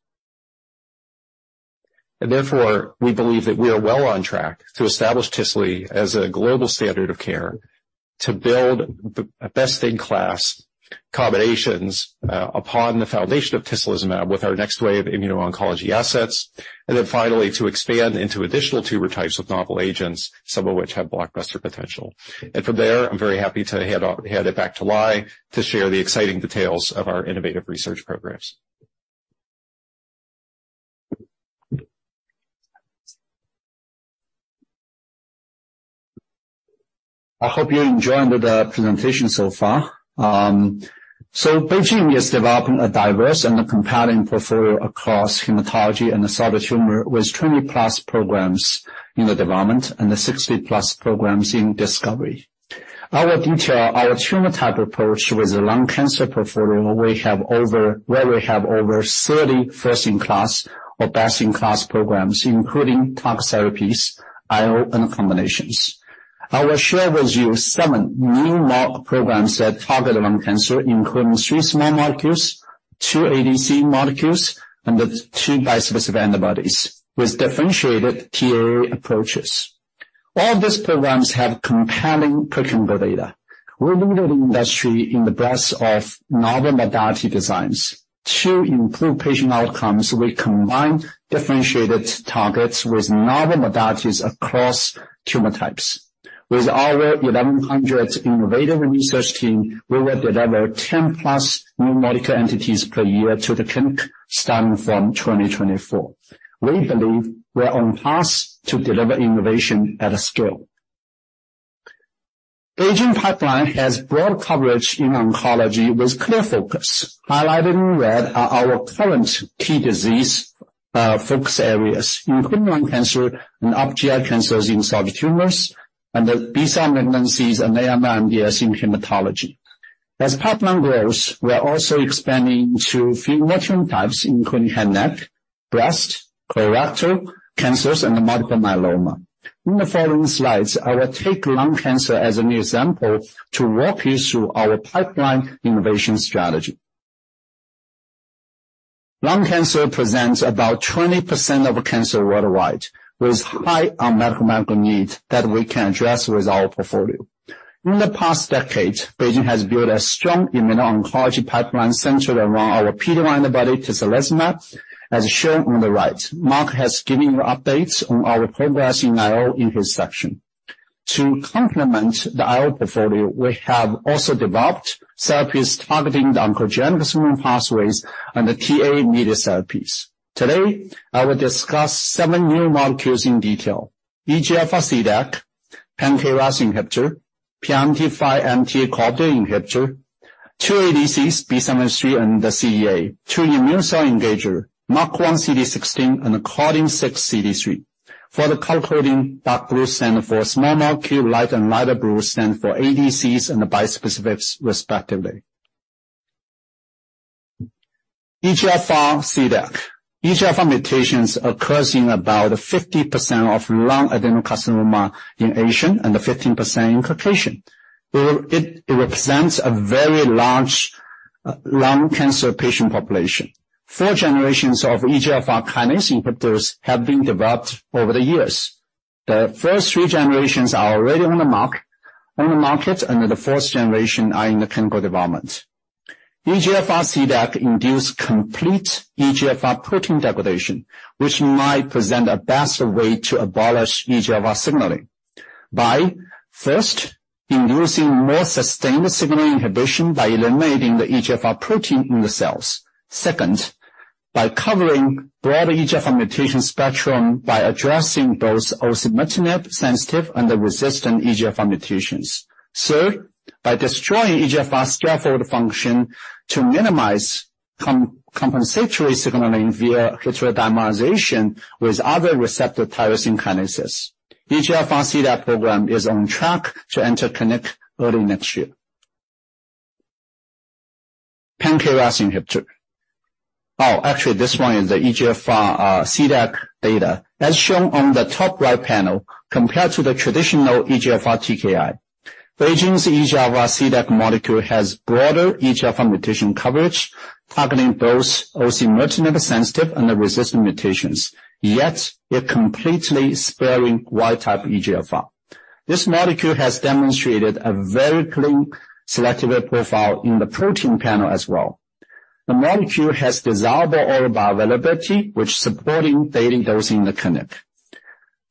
[SPEAKER 5] Therefore, we believe that we are well on track to establish Tisli as a global standard of care, to build the best-in-class combinations upon the foundation of tislelizumab with our next wave of immuno-oncology assets, and then finally, to expand into additional tumor types with novel agents, some of which have blockbuster potential. From there, I'm very happy to hand it back to Lai to share the exciting details of our innovative research programs.
[SPEAKER 3] I hope you enjoyed the presentation so far. BeiGene is developing a diverse and a compelling portfolio across hematology and the solid tumor, with 20+ programs in the development and the 60+ programs in discovery. I will detail our tumor type approach with the lung cancer portfolio where we have over 30 first-in-class or best-in-class programs, including CAR-T therapies, IO, and combinations. I will share with you seven new model programs that target lung cancer, including three small molecules, two ADC molecules, and the two bispecific antibodies, with differentiated TAA approaches. All these programs have compelling pre-clinical data. We're leading the industry in the breadth of novel modality designs. To improve patient outcomes, we combine differentiated targets with novel modalities across tumor types. With our 1,100 innovative research team, we will deliver 10+ new medical entities per year to the clinic, starting from 2024. We believe we are on path to deliver innovation at scale. BeiGene pipeline has broad coverage in oncology with clear focus. Highlighted in red are our current key disease focus areas, including lung cancer and upper GI cancers in solid tumors, and the B-cell malignancies and AMR MDS in hematology. Pipeline grows, we are also expanding to few mature types, including head and neck, breast, colorectal cancers, and multiple myeloma. The following slides, I will take lung cancer as an example to walk you through our pipeline innovation strategy. Lung cancer presents about 20% of cancer worldwide, with high unmet medical need that we can address with our portfolio. In the past decade, BeiGene has built a strong immuno-oncology pipeline centered around our PD-L1 antibody, tislelizumab, as shown on the right. Mark has given you updates on our progress in IO in his section. To complement the IO portfolio, we have also developed therapies targeting the oncogenic signaling pathways and the TAA immunotherapies. Today, I will discuss seven new molecules in detail. EGFR CDAC, pan-KRAS inhibitor, PRMT5 MT inhibitor, two ADCs, B7H3, and the CEA. Two immune cell engager, MUC1/CD16 and Claudin-6/CD3. For the color coding, dark blue stand for small molecule, light and lighter blue stand for ADCs and bispecifics, respectively. EGFR CDAC. EGFR mutations occurs in about 50% of lung adenocarcinoma in Asian and 15% in Caucasian, where it represents a very large lung cancer patient population. Four generations of EGFR kinase inhibitors have been developed over the years. The first three generations are already on the market, the fourth generation are in the clinical development. EGFR CDAC induce complete EGFR protein degradation, which might present a better way to abolish EGFR signaling. By first, inducing more sustained signaling inhibition by eliminating the EGFR protein in the cells. Second, by covering broader EGFR mutation spectrum, by addressing both osimertinib sensitive and the resistant EGFR mutations. Third, by destroying EGFR scaffold function to minimize compensatory signaling via heterodimerization with other receptor tyrosine kinases. EGFR CDAC program is on track to enter clinic early next year. pan-KRAS inhibitor. Oh, actually, this one is the EGFR CDAC data. As shown on the top right panel, compared to the traditional EGFR TKI, BeiGene's EGFR CDAC molecule has broader EGFR mutation coverage, targeting both osimertinib sensitive and the resistant mutations, yet it completely sparing wild-type EGFR. This molecule has demonstrated a very clean selective profile in the protein panel as well. The molecule has desirable oral bioavailability, which supporting daily dosing in the clinic,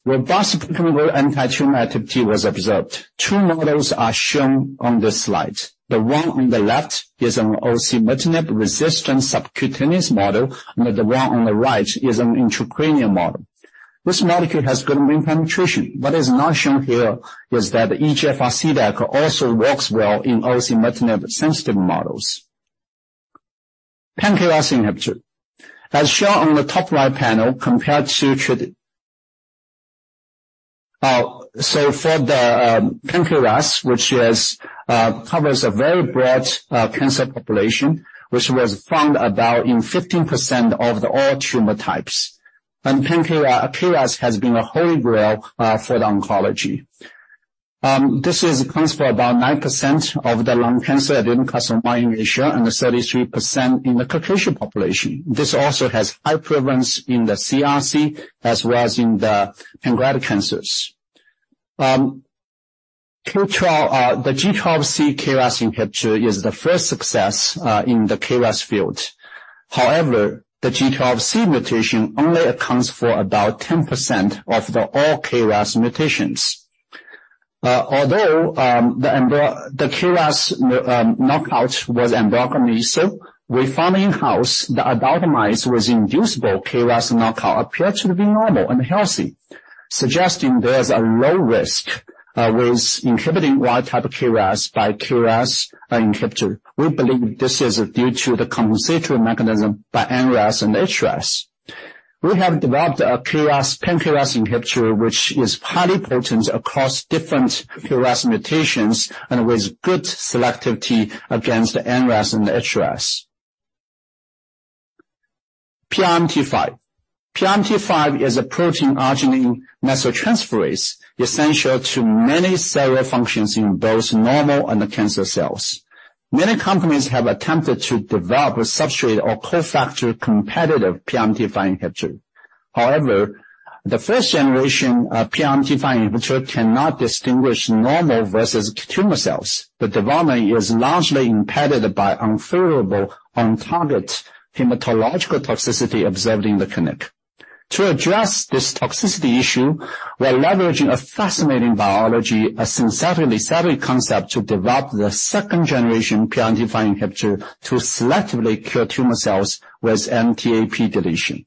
[SPEAKER 3] where robust antitumor activity was observed. Two models are shown on this slide. The one on the left is an osimertinib-resistant subcutaneous model, and the one on the right is an intracranial model. This molecule has good brain penetration. What is not shown here is that EGFR CDAC also works well in osimertinib-sensitive models. pan-KRAS inhibitor. As shown on the top right panel, compared to. For the pan-KRAS, which is covers a very broad cancer population, which was found about in 15% of the all tumor types, pan-KRAS, KRAS has been a holy grail for the oncology. This is accounts for about 9% of the lung cancer adenocarcinoma in Asia and 33% in the Caucasian population. This also has high prevalence in the CRC as well as in the pancreatic cancers. The G12C KRAS inhibitor is the first success in the KRAS field. However, the G12C mutation only accounts for about 10% of the all KRAS mutations. Although the KRAS knockout was embryonic lethal, we found in-house, the adult mice was inducible KRAS knockout appeared to be normal and healthy, suggesting there is a low risk with inhibiting wild-type KRAS by KRAS inhibitor. We believe this is due to the compensatory mechanism by NRAS and HRAS. We have developed a KRAS, pan-KRAS inhibitor, which is highly potent across different KRAS mutations and with good selectivity against NRAS and HRAS. PRMT5. PRMT5 is a protein arginine methyltransferase, essential to many cellular functions in both normal and the cancer cells. Many companies have attempted to develop a substrate or co-factor competitive PRMT5 inhibitor. However, the first generation of PRMT5 inhibitor cannot distinguish normal versus tumor cells. The development is largely impeded by unfavorable on-target hematological toxicity observed in the clinic. To address this toxicity issue, we are leveraging a fascinating biology, a sensorimotor study concept, to develop the second generation PRMT5 inhibitor to selectively cure tumor cells with MTAP deletion.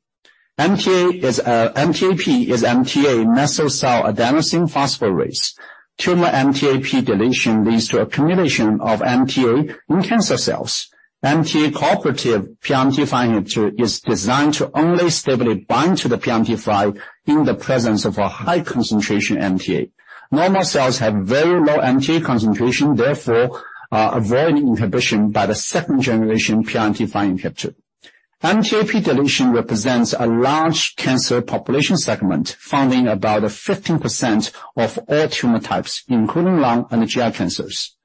[SPEAKER 3] MTA is MTAP is MTA methylcell adenosine phosphatase. Tumor MTAP deletion leads to accumulation of MTA in cancer cells. MTA-cooperative PRMT5 inhibitor is designed to only stably bind to the PRMT5 in the presence of a high concentration MTA. Normal cells have very low MTA concentration, therefore, avoiding inhibition by the second generation PRMT5 inhibitor. MTAP deletion represents a large cancer population segment, finding about 15% of all tumor types, including lung and GI cancers.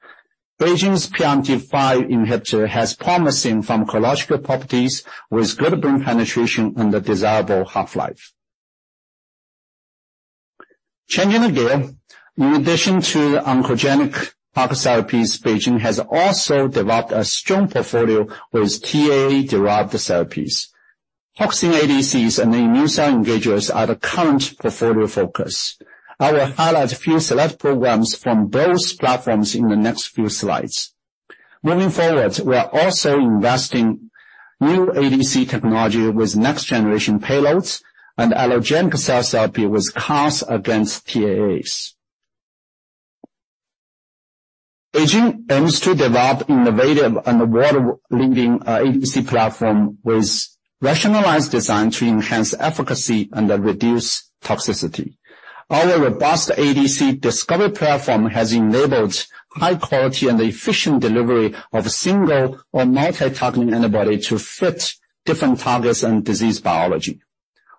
[SPEAKER 3] BeiGene's PRMT5 inhibitor has promising pharmacological properties with good brain penetration and a desirable half-life. Changing again, in addition to oncogenic target therapies, BeiGene has also developed a strong portfolio with TAA-derived therapies. Hoxene ADCs and immune cell engagers are the current portfolio focus. I will highlight a few select programs from both platforms in the next few slides. Moving forward, we are also investing new ADC technology with next generation payloads and allogenic cell therapy with CAR-T against TAAs. BeiGene aims to develop innovative and world-leading ADC platform, with rationalized design to enhance efficacy and reduce toxicity. Our robust ADC discovery platform has enabled high quality and efficient delivery of single or multi-targeting antibody to fit different targets and disease biology.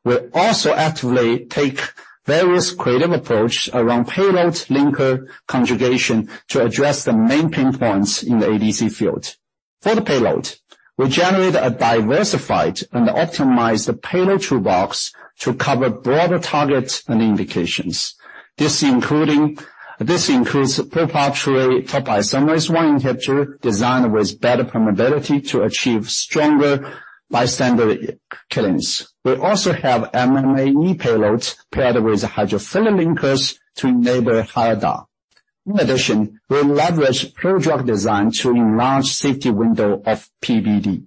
[SPEAKER 3] We also actively take various creative approach around payload linker conjugation to address the main pain points in the ADC field. For the payload, we generate a diversified and optimized payload toolbox to cover broader targets and indications. This includes propargyl topoisomerase I inhibitor, designed with better permeability to achieve stronger bystander killings. We also have MMAE payloads paired with hydrophilic linkers to enable higher DAR. In addition, we leverage pro-drug design to enlarge safety window of PBD.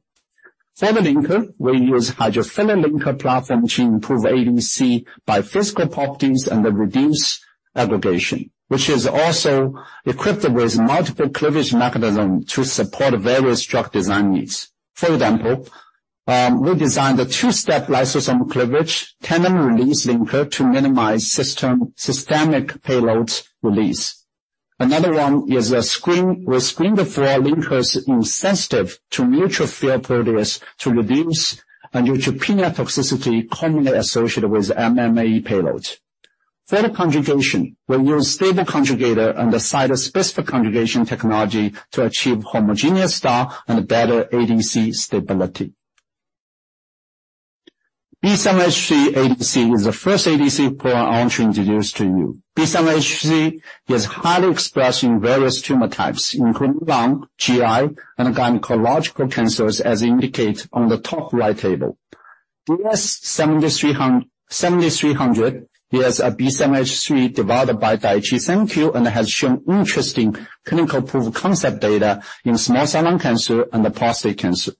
[SPEAKER 3] For the linker, we use hydrophilic linker platform to improve ADC by physical properties and reduce aggregation, which is also equipped with multiple cleavage mechanism to support various drug design needs. For example, we designed a two-step lysosome cleavage tandem release linker to minimize systemic payload release. Another one is we screen the four linkers insensitive to neutrophil protease to reduce neutropenia toxicity commonly associated with MMAE payload. For the conjugation, we use stable conjugator and the site-specific conjugation technology to achieve homogeneous DAR and better ADC stability. BSMHC ADC is the first ADC product I want to introduce to you. B7-H3 is highly expressed in various tumor types, including lung, GI, and gynecological cancers, as indicated on the top right table. DS-7300 is a B7-H3 developed by Daiichi Sankyo and has shown interesting clinical proof-of-concept data in small cell lung cancer and prostate cancer.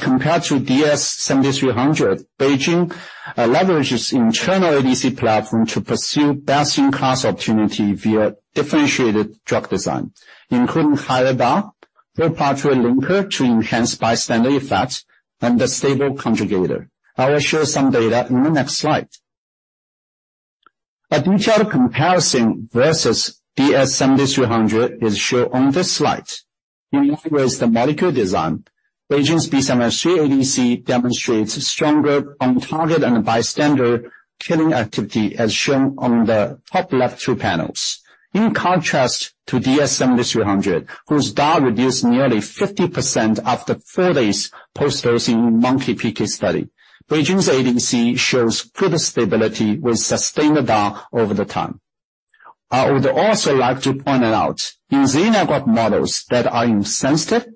[SPEAKER 3] Compared to DS-7300, BeiGene leverages internal ADC platform to pursue best-in-class opportunity via differentiated drug design, including higher bar, propargyl linker to enhance bystander effects, and a stable conjugator. I will show some data in the next slide. A detailed comparison versus DS-7300 is shown on this slide. In regards the medical design, BeiGene's B7-H3 ADC demonstrates stronger on-target and bystander killing activity, as shown on the top left two panels. In contrast to DS-7300, whose DAR reduced nearly 50% after four days post-dosing in monkey PK study, BeiGene's ADC shows good stability with sustained DAR over the time. I would also like to point out, in xenograft models that are insensitive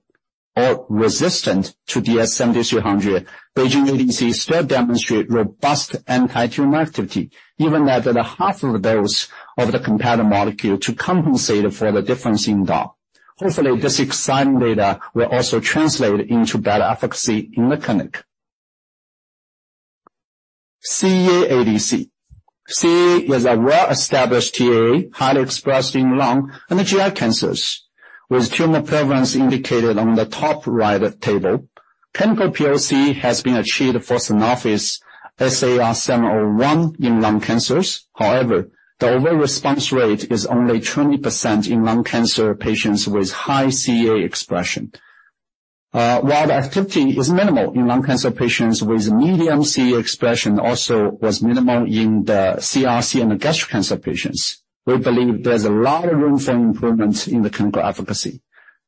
[SPEAKER 3] or resistant to DS-7300, BeiGene ADC still demonstrate robust anti-tumor activity, even at the half of the dose of the competitor molecule to compensate for the difference in DAR. Hopefully, this exciting data will also translate into better efficacy in the clinic. CEA ADC. CEA is a well-established TAA, highly expressed in lung and GI cancers, with tumor prevalence indicated on the top right table. Chemical POC has been achieved for Sanofi's SAR 408701 in lung cancers. The overall response rate is only 20% in lung cancer patients with high CEA expression. While the activity is minimal in lung cancer patients with medium CEA expression, also was minimal in the CRC and gastric cancer patients. We believe there's a lot of room for improvement in the chemical efficacy.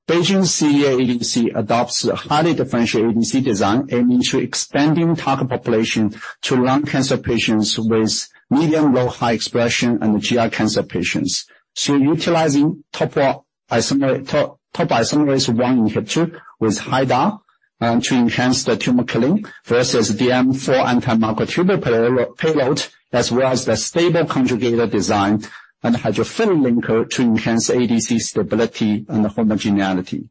[SPEAKER 3] BeiGene's CEA ADC adopts a highly differentiated ADC design, aiming to expanding target population to lung cancer patients with medium, low, high expression and GI cancer patients. Utilizing topoisomerase one inhibitor with high DAR to enhance the tumor killing versus DM4 anti-microtube payload, as well as the stable conjugated design and hydrophilic linker to enhance ADC stability and homogeneity.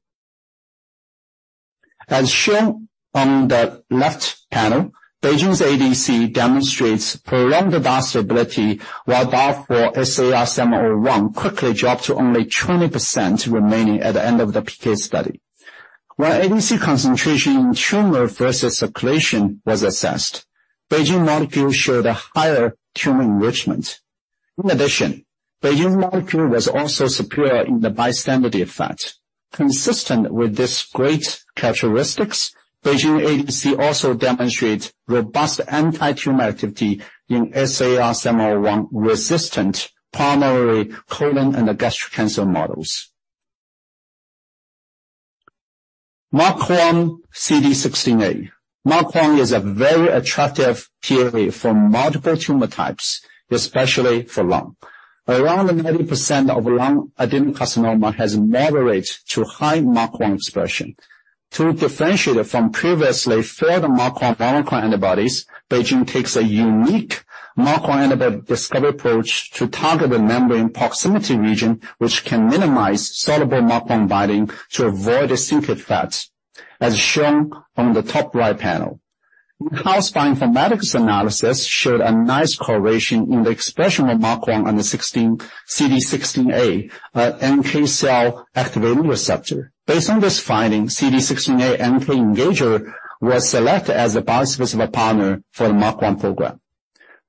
[SPEAKER 3] As shown on the left panel, BeiGene's ADC demonstrates prolonged vascular stability, while that for SAR 408701 quickly dropped to only 20% remaining at the end of the PK study. While ADC concentration in tumor versus circulation was assessed, BeiGene molecule showed a higher tumor enrichment. In addition, BeiGene molecule was also superior in the bystander effect. Consistent with this great characteristics, BeiGene ADC also demonstrates robust anti-tumor activity in SAR408701-resistant primary colon and gastric cancer models. MUC1 x CD16A. MUC1 is a very attractive TAA for multiple tumor types, especially for lung. Around 90% of lung adenocarcinoma has moderate to high MUC1 expression. To differentiate it from previously failed MUC1 monoclonal antibodies, BeiGene takes a unique MUC1 antibody discovery approach to target the membrane proximity region, which can minimize soluble MUC1 binding to avoid syncip effects, as shown on the top right panel. In-house bioinformatics analysis showed a nice correlation in the expression of MUC1 and CD16A, NK cell activating receptor. Based on this finding, CD16A NK engager was selected as a bispecific partner for the MUC1 program.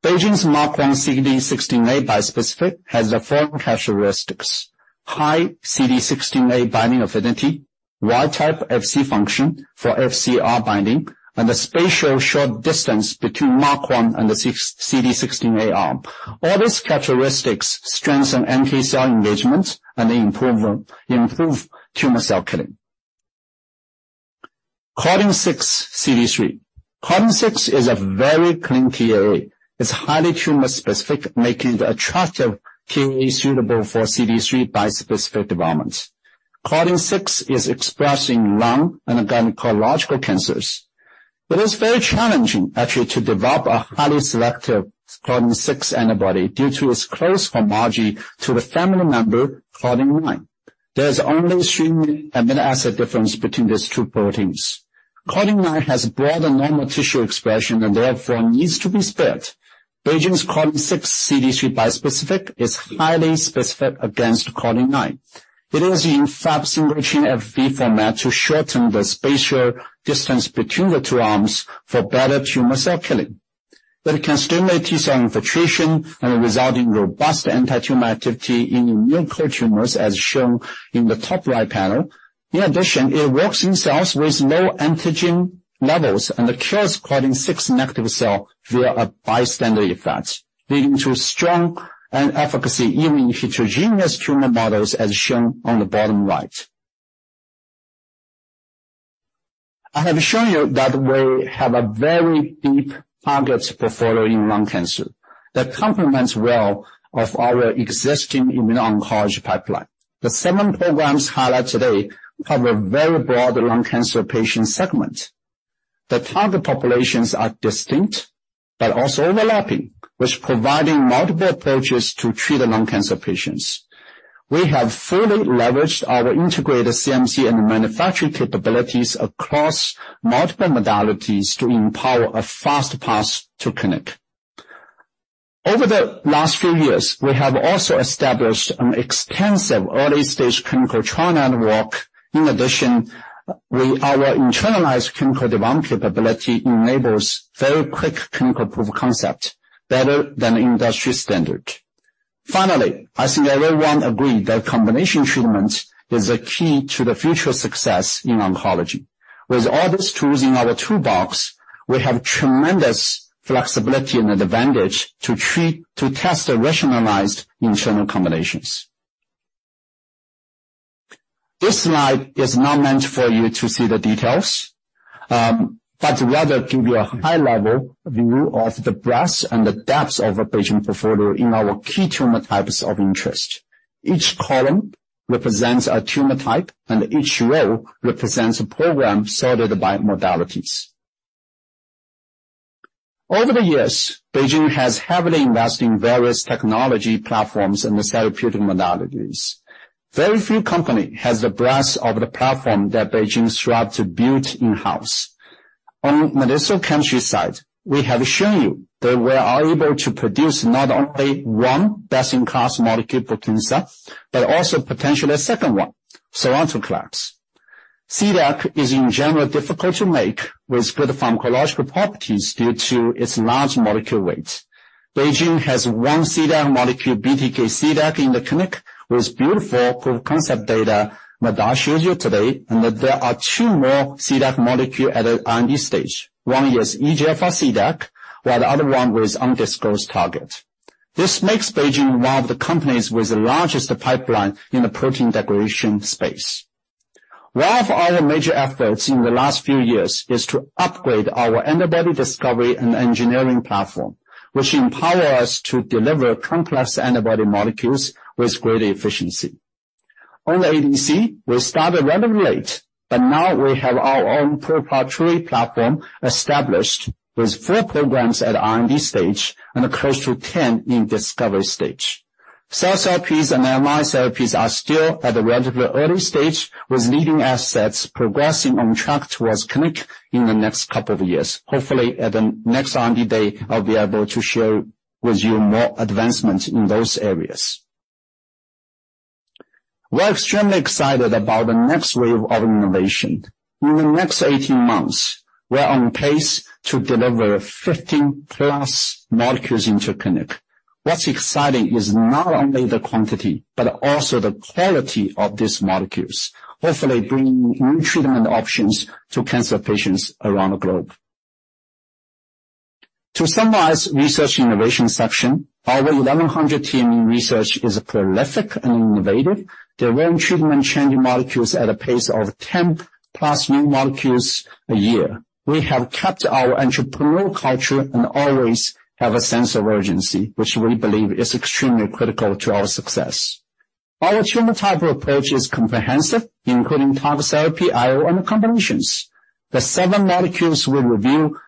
[SPEAKER 3] BeiGene's MUC1 x CD16A bispecific has the following characteristics: high CD16A binding affinity, Y-type FC function for FCR binding, and a spatial short distance between MUC1 and the CD16A. All these characteristics strengthen NK cell engagement, and they improve tumor cell killing. Claudin-6 CD3. Claudin-6 is a very clean TAA. It's highly tumor-specific, making the attractive TAA suitable for CD3 bispecific developments. Claudin-6 is expressed in lung and gynecological cancers. It is very challenging, actually, to develop a highly selective Claudin-6 antibody due to its close homology to the family member Claudin-9. There is only a single amino acid difference between these two proteins. Claudin-9 has broader normal tissue expression and therefore needs to be spared. BeiGene's Claudin-6 CD3 bispecific is highly specific against Claudin-9. It is in fab single chain FV format to shorten the spatial distance between the two arms for better tumor cell killing. It can stimulate T-cell infiltration and result in robust anti-tumor activity in immune core tumors, as shown in the top right panel. In addition, it works in cells with low antigen levels and cures Claudin-6 negative cell via a bystander effect, leading to strong efficacy even in heterogeneous tumor models, as shown on the bottom right. I have shown you that we have a very deep target portfolio in lung cancer that complements well of our existing immuno-oncology pipeline. The seven programs highlighted today cover a very broad lung cancer patient segment. The target populations are distinct but also overlapping, which providing multiple approaches to treat lung cancer patients. We have fully leveraged our integrated CMC and manufacturing capabilities across multiple modalities to empower a fast path to clinic. Over the last few years, we have also established an extensive early-stage clinical trial network. In addition, our internalized clinical development capability enables very quick clinical proof of concept, better than industry standard. I think everyone agreed that combination treatment is a key to the future success in oncology. With all these tools in our toolbox, we have tremendous flexibility and advantage to test the rationalized internal combinations. This slide is not meant for you to see the details, but rather give you a high-level view of the breadth and the depth of our BeiGene portfolio in our key tumor types of interest. Each column represents a tumor type, and each row represents a program sorted by modalities. Over the years, BeiGene has heavily invested in various technology platforms and therapeutic modalities. Very few company has the breadth of the platform that BeiGene strive to build in-house. On medicinal chemistry side, we have shown you that we are able to produce not only one best-in-class molecule, protein stuff, but also potentially a second one, sonrotoclax. CDAC is in general difficult to make with good pharmacological properties due to its large molecule weight. BeiGene has one CDAC molecule, BTK CDAC, in the clinic, with beautiful proof of concept data that I showed you today, and that there are two more CDAC molecule at an early stage. One is EGFR CDAC, while the other one was undisclosed target. This makes BeiGene one of the companies with the largest pipeline in the protein decoration space. One of our major efforts in the last few years is to upgrade our antibody discovery and engineering platform, which empower us to deliver complex antibody molecules with greater efficiency. On the ADC, we started running late, but now we have our own proprietary platform established with four programs at R&D stage and close to 10 in discovery stage. Cell therapies and mRNA therapies are still at a relatively early stage, with leading assets progressing on track towards clinic in the next couple of years. Hopefully, at the next R&D day, I'll be able to share with you more advancements in those areas. We're extremely excited about the next wave of innovation. In the next 18 months, we're on pace to deliver 15+ molecules into clinic. What's exciting is not only the quantity, but also the quality of these molecules, hopefully bringing new treatment options to cancer patients around the globe. To summarize research innovation section, our 1,100 team in research is prolific and innovative. They run treatment-changing molecules at a pace of 10+ new molecules a year. We have kept our entrepreneurial culture and always have a sense of urgency, which we believe is extremely critical to our success. Our tumor type approach is comprehensive, including target therapy, IO, and combinations. The seven molecules we review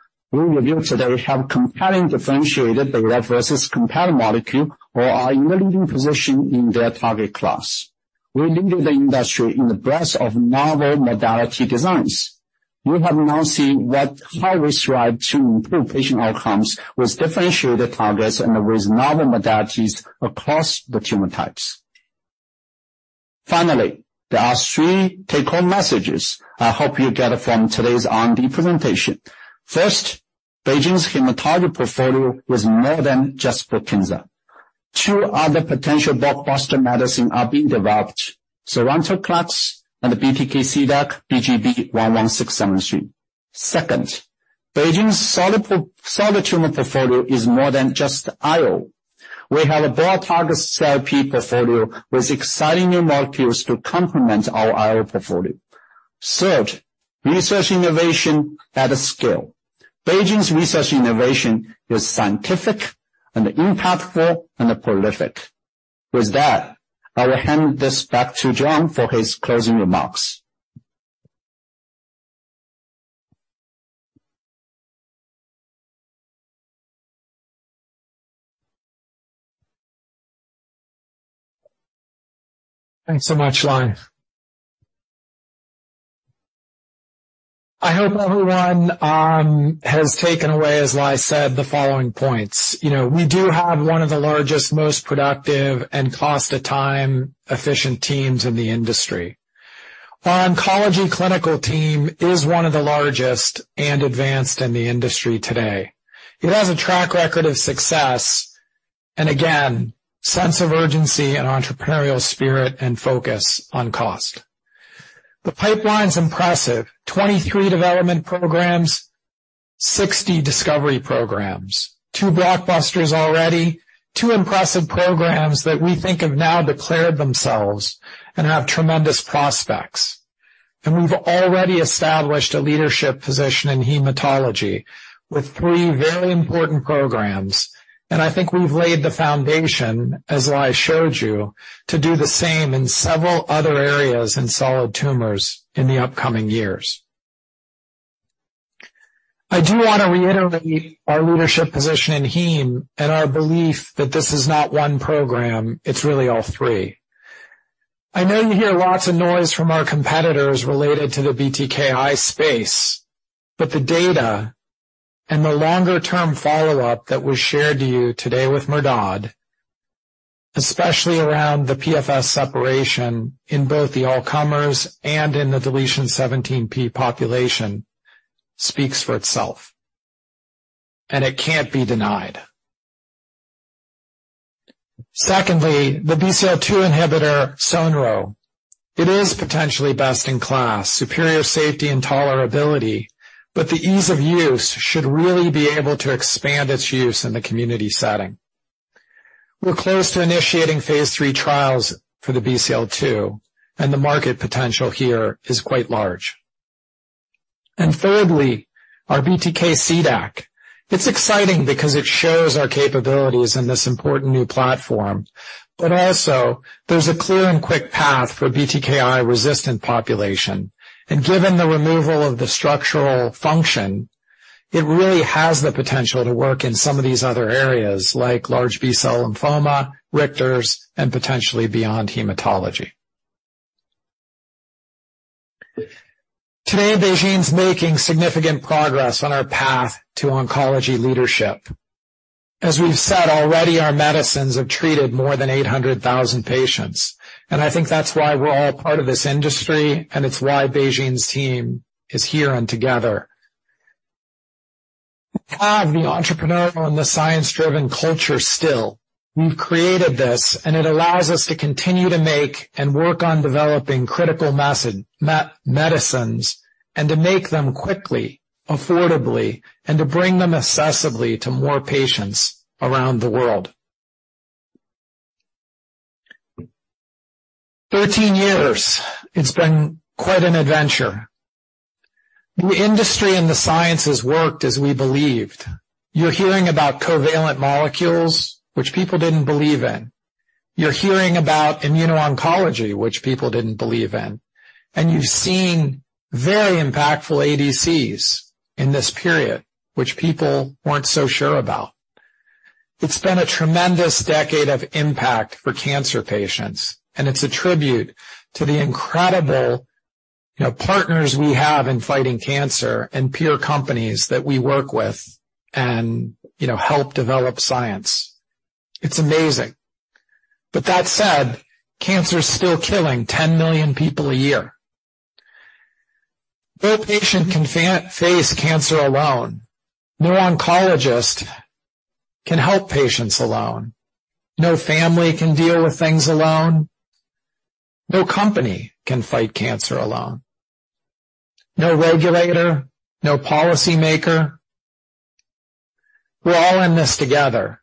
[SPEAKER 3] today have compelling differentiated the lab versus competitive molecule or are in the leading position in their target class. We lead the industry in the breadth of novel modality designs. You have now seen how we strive to improve patient outcomes with differentiated targets and with novel modalities across the tumor types. Finally, there are three take-home messages I hope you get from today's R&D presentation. First, BeiGene's hematology portfolio is more than just for cancer. Two other potential blockbuster medicine are being developed, sonrotoclax and the BTK CDAC, BGB-16673. Second, BeiGene's solid tumor portfolio is more than just IO. We have a broad target therapy portfolio with exciting new molecules to complement our IO portfolio. Third, research innovation at scale. BeiGene's research innovation is scientific and impactful and prolific. I will hand this back to John for his closing remarks.
[SPEAKER 2] Thanks so much, Lai. I hope everyone has taken away, as Lai said, the following points. You know, we do have one of the largest, most productive, and cost to time efficient teams in the industry. Our oncology clinical team is one of the largest and advanced in the industry today. It has a track record of success and again, sense of urgency and entrepreneurial spirit and focus on cost. The pipeline's impressive, 23 development programs, 60 discovery programs, two blockbusters already, two impressive programs that we think have now declared themselves and have tremendous prospects. We've already established a leadership position in hematology with three very important programs, and I think we've laid the foundation, as Lai showed you, to do the same in several other areas in solid tumors in the upcoming years. I do want to reiterate our leadership position in Heme and our belief that this is not one program, it's really all three. I know you hear lots of noise from our competitors related to the BTKI space, but the data and the longer-term follow-up that was shared to you today with Merhdad, especially around the PFS separation in both the all comers and in the deletion 17p population, speaks for itself, and it can't be denied. Secondly, the BCL-2 inhibitor, Sonro. It is potentially best-in-class, superior safety and tolerability, but the ease of use should really be able to expand its use in the community setting. We're close to initiating phase III trials for the BCL-2, and the market potential here is quite large. Thirdly, our BTK CDAC. It's exciting because it shows our capabilities in this important new platform, but also there's a clear and quick path for BTKI-resistant population. Given the removal of the structural function, it really has the potential to work in some of these other areas, like large B-cell lymphoma, Richter's, and potentially beyond hematology. Today, BeiGene's making significant progress on our path to oncology leadership. As we've said already, our medicines have treated more than 800,000 patients, and I think that's why we're all part of this industry, and it's why BeiGene's team is here and together. We have the entrepreneurial and the science-driven culture still. We've created this, it allows us to continue to make and work on developing critical medicines, and to make them quickly, affordably, and to bring them accessibly to more patients around the world. 13 years, it's been quite an adventure. The industry and the sciences worked as we believed. You're hearing about covalent molecules, which people didn't believe in. You're hearing about immuno-oncology, which people didn't believe in. You've seen very impactful ADCs in this period, which people weren't so sure about. It's been a tremendous decade of impact for cancer patients. It's a tribute to the incredible, you know, partners we have in fighting cancer and peer companies that we work with and, you know, help develop science. It's amazing. That said, cancer is still killing 10 million people a year. No patient can face cancer alone. No oncologist can help patients alone. No family can deal with things alone. No company can fight cancer alone. No regulator, no policymaker. We're all in this together,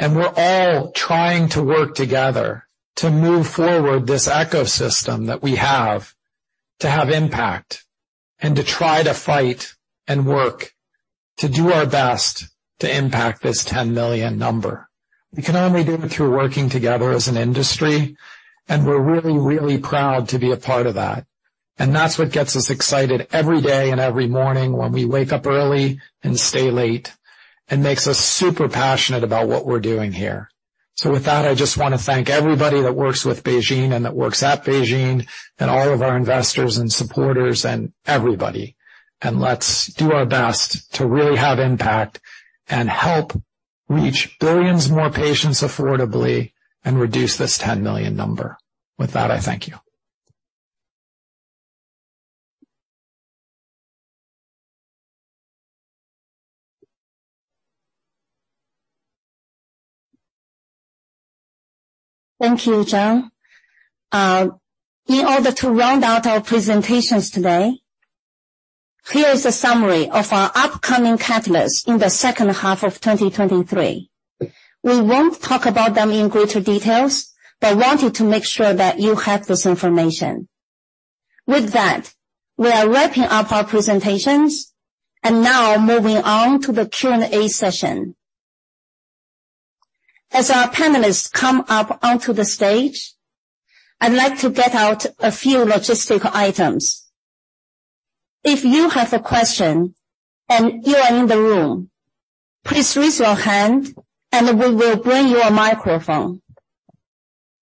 [SPEAKER 2] we're all trying to work together to move forward this ecosystem that we have to have impact, to try to fight and work to do our best to impact this 10 million number. We can only do it through working together as an industry, and we're really proud to be a part of that. That's what gets us excited every day and every morning when we wake up early and stay late, and makes us super passionate about what we're doing here. With that, I just want to thank everybody that works with BeiGene and that works at BeiGene, and all of our investors and supporters and everybody. Let's do our best to really have impact and help reach billions more patients affordably and reduce this 10 million number. With that, I thank you.
[SPEAKER 1] Thank you, John. In order to round out our presentations today, here is a summary of our upcoming catalysts in the H2 of 2023. We won't talk about them in greater details, but wanted to make sure that you have this information. With that, we are wrapping up our presentations and now moving on to the Q&A session. As our panelists come up onto the stage, I'd like to get out a few logistical items. If you have a question and you are in the room, please raise your hand and we will bring you a microphone.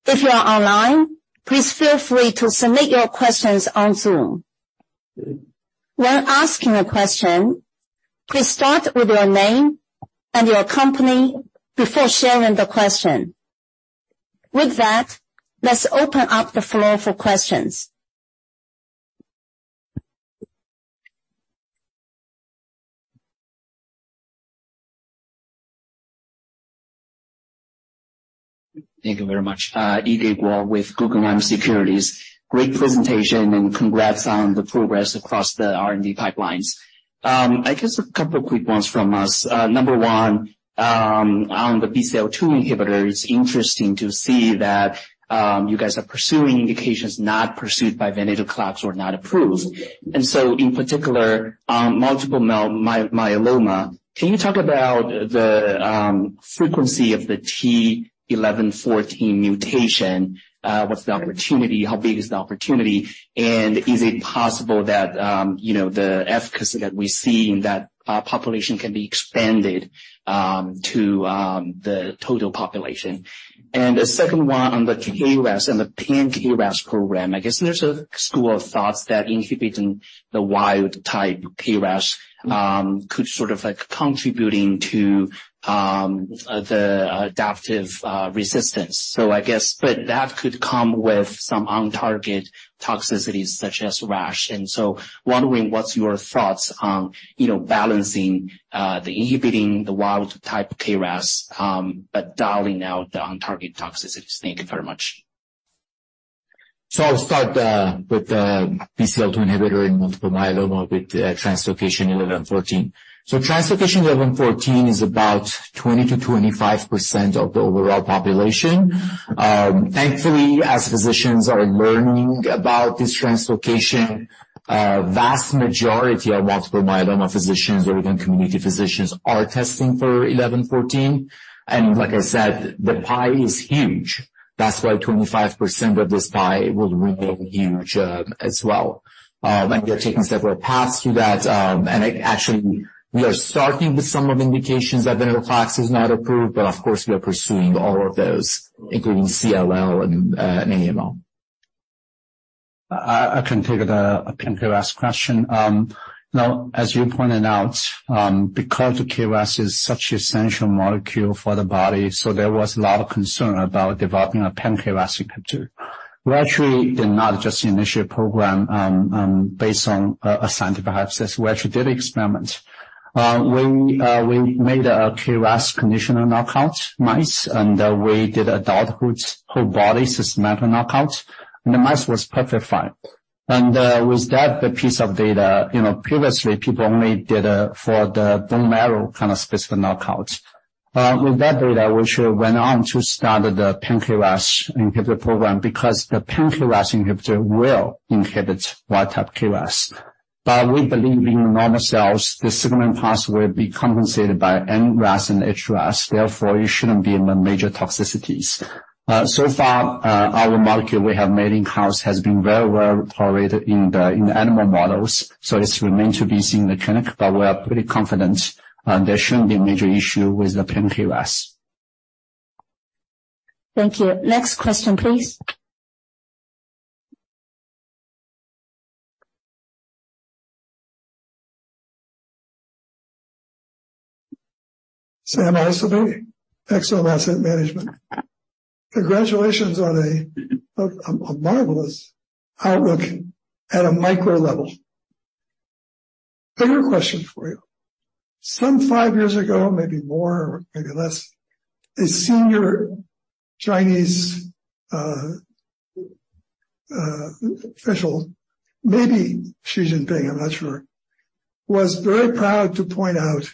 [SPEAKER 1] If you are online, please feel free to submit your questions on Zoom. When asking a question, please start with your name and your company before sharing the question. With that, let's open up the floor for questions.
[SPEAKER 6] Thank you very much. Yige Guo with Guggenheim Securities. Great presentation, and congrats on the progress across the R&D pipelines. I guess a couple of quick ones from us. number one, on the BCL-2 inhibitor, it's interesting to see that you guys are pursuing indications not pursued by venetoclax or not approved. In particular, multiple myeloma, can you talk about the frequency of the T-11;14 mutation? What's the opportunity? How big is the opportunity? Is it possible that, you know, the efficacy that we see in that population can be expanded to the total population? A second one on the KRAS and the pan-KRAS program. I guess there's a school of thoughts that inhibiting the wild type KRAS could sort of like contributing to the adaptive resistance. I guess, but that could come with some on-target toxicities such as rash. Wondering, what's your thoughts on, you know, balancing, the inhibiting the wild type KRAS, but dialing out the on target toxicities? Thank you very much.
[SPEAKER 4] I'll start with the BCL-2 inhibitor in multiple myeloma with translocation 11;14. Translocation 11;14 is about 20%-25% of the overall population. Thankfully, as physicians are learning about this translocation, a vast majority of multiple myeloma physicians or even community physicians are testing for 11;14. Like I said, the pie is huge. That's why 25% of this pie will remain huge as well. We are taking several paths to that. Actually, we are starting with some of the indications that venetoclax has not approved, but of course, we are pursuing all of those, including CLL and AML.
[SPEAKER 3] I can take the pan-KRAS question. Now, as you pointed out, because KRAS is such an essential molecule for the body, there was a lot of concern about developing a pan-KRAS inhibitor. We actually did not just initiate program based on a scientific hypothesis. We actually did experiments. We made a KRAS conditional knockout mice, and we did a adulthood whole body systematic knockout, and the mouse was perfectly fine. With that piece of data, you know, previously people only did for the bone marrow kind of specific knockout. With that data, we should went on to start the pan-KRAS inhibitor program because the pan-KRAS inhibitor will inhibit wild type KRAS. We believe in normal cells, the signaling pathway will be compensated by NRAS and HRAS, therefore, you shouldn't be in the major toxicities. So far, our molecule we have made in-house has been very well tolerated in the animal models, so this remains to be seen in the clinic, but we are pretty confident there shouldn't be a major issue with the pan-KRAS.
[SPEAKER 1] Thank you. Next question, please.
[SPEAKER 7] Sam Issibavy, XL Asset Management. Congratulations on a marvelous outlook at a micro level. I have a question for you. Some five years ago, maybe more or maybe less, a Senior Chinese Official, maybe Xi Jinping, I'm not sure, was very proud to point out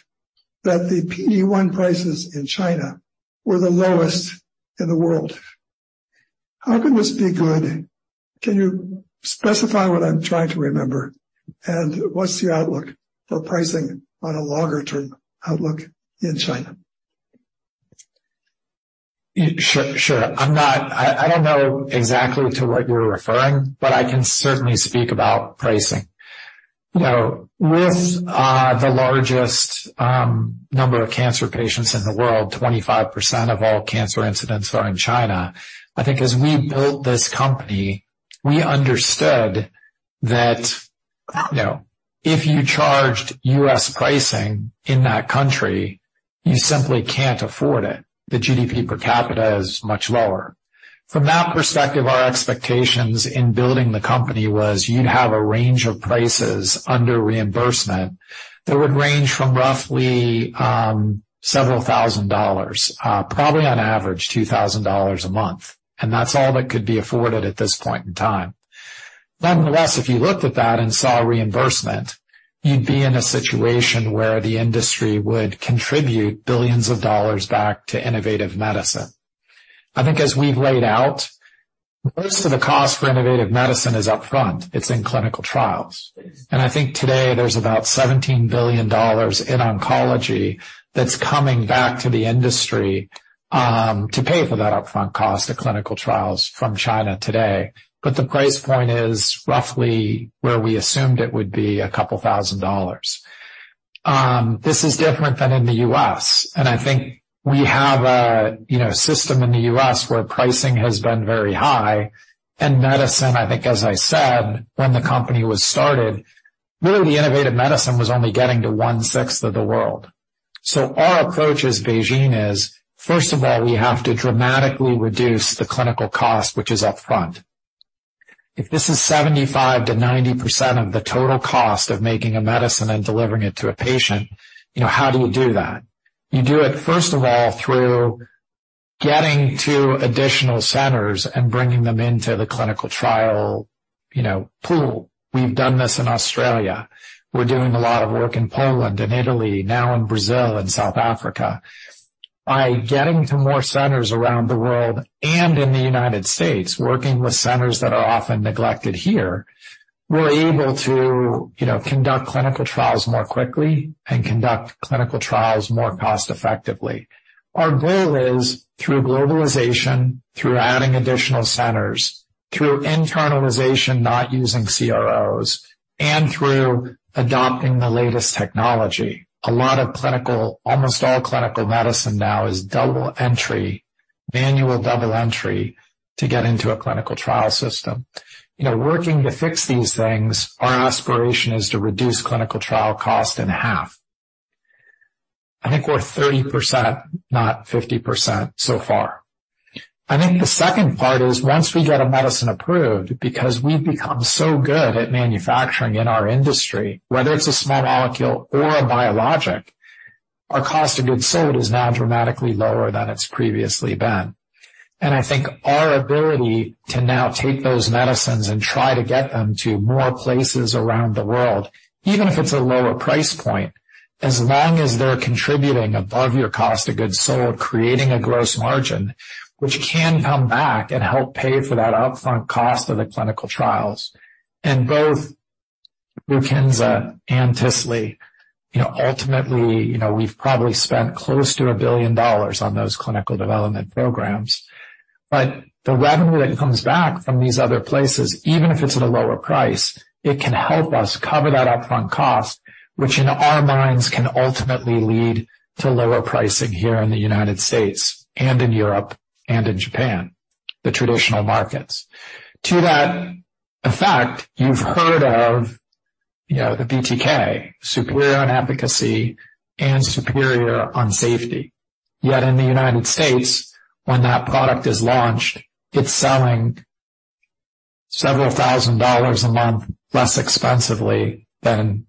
[SPEAKER 7] that the PD-1 prices in China were the lowest in the world. How can this be good? Can you specify what I'm trying to remember? What's your outlook for pricing on a longer-term outlook in China?
[SPEAKER 2] Sure, sure. I don't know exactly to what you're referring, but I can certainly speak about pricing. You know, with the largest number of cancer patients in the world, 25% of all cancer incidents are in China. I think as we built this company, we understood that, you know, if you charged U.S. pricing in that country, you simply can't afford it. The GDP per capita is much lower. From that perspective, our expectations in building the company was you'd have a range of prices under reimbursement that would range from roughly several thousand dollars, probably on average $2,000 a month, and that's all that could be afforded at this point in time. Nonetheless, if you looked at that and saw reimbursement, you'd be in a situation where the industry would contribute billions of dollars back to innovative medicine. I think as we've laid out, most of the cost for innovative medicine is upfront. It's in clinical trials. I think today there's about $17 billion in oncology that's coming back to the industry to pay for that upfront cost of clinical trials from China today. The price point is roughly where we assumed it would be couple thousand dollars. This is different than in the U.S. and I think we have a, you know, system in the U.S. where pricing has been very high. Medicine, I think as I said, when the company was started, really innovative medicine was only getting to 1/6 of the world. Our approach as BeiGene is, first of all, we have to dramatically reduce the clinical cost, which is upfront. If this is 75%-90% of the total cost of making a medicine and delivering it to a patient, you know, how do you do that? You do it, first of all, through getting to additional centers and bringing them into the clinical trial, you know, pool. We've done this in Australia. We're doing a lot of work in Poland and Italy, now in Brazil and South Africa. By getting to more centers around the world and in the United States, working with centers that are often neglected here, we're able to, you know, conduct clinical trials more quickly and conduct clinical trials more cost-effectively. Our goal is through globalization, through adding additional centers, through internalization, not using CROs, and through adopting the latest technology. Almost all clinical medicine now is double entry, manual double entry to get into a clinical trial system. You know, working to fix these things, our aspiration is to reduce clinical trial cost in half. I think we're 30%, not 50% so far. I think the second part is, once we get a medicine approved, because we've become so good at manufacturing in our industry, whether it's a small molecule or a biologic, our cost of goods sold is now dramatically lower than it's previously been. I think our ability to now take those medicines and try to get them to more places around the world, even if it's a lower price point, as long as they're contributing above your cost of goods sold, creating a gross margin, which can come back and help pay for that upfront cost of the clinical trials. Both BRUKINSA and Tisli, you know, ultimately, you know, we've probably spent close to $1 billion on those clinical development programs. The revenue that comes back from these other places, even if it's at a lower price, it can help us cover that upfront cost, which in our minds can ultimately lead to lower pricing here in the United States, and in Europe, and in Japan, the traditional markets. To that effect, you've heard of, you know, the BTK, superior on efficacy and superior on safety. Yet in the United States, when that product is launched, it's selling several thousand dollars a month less expensively than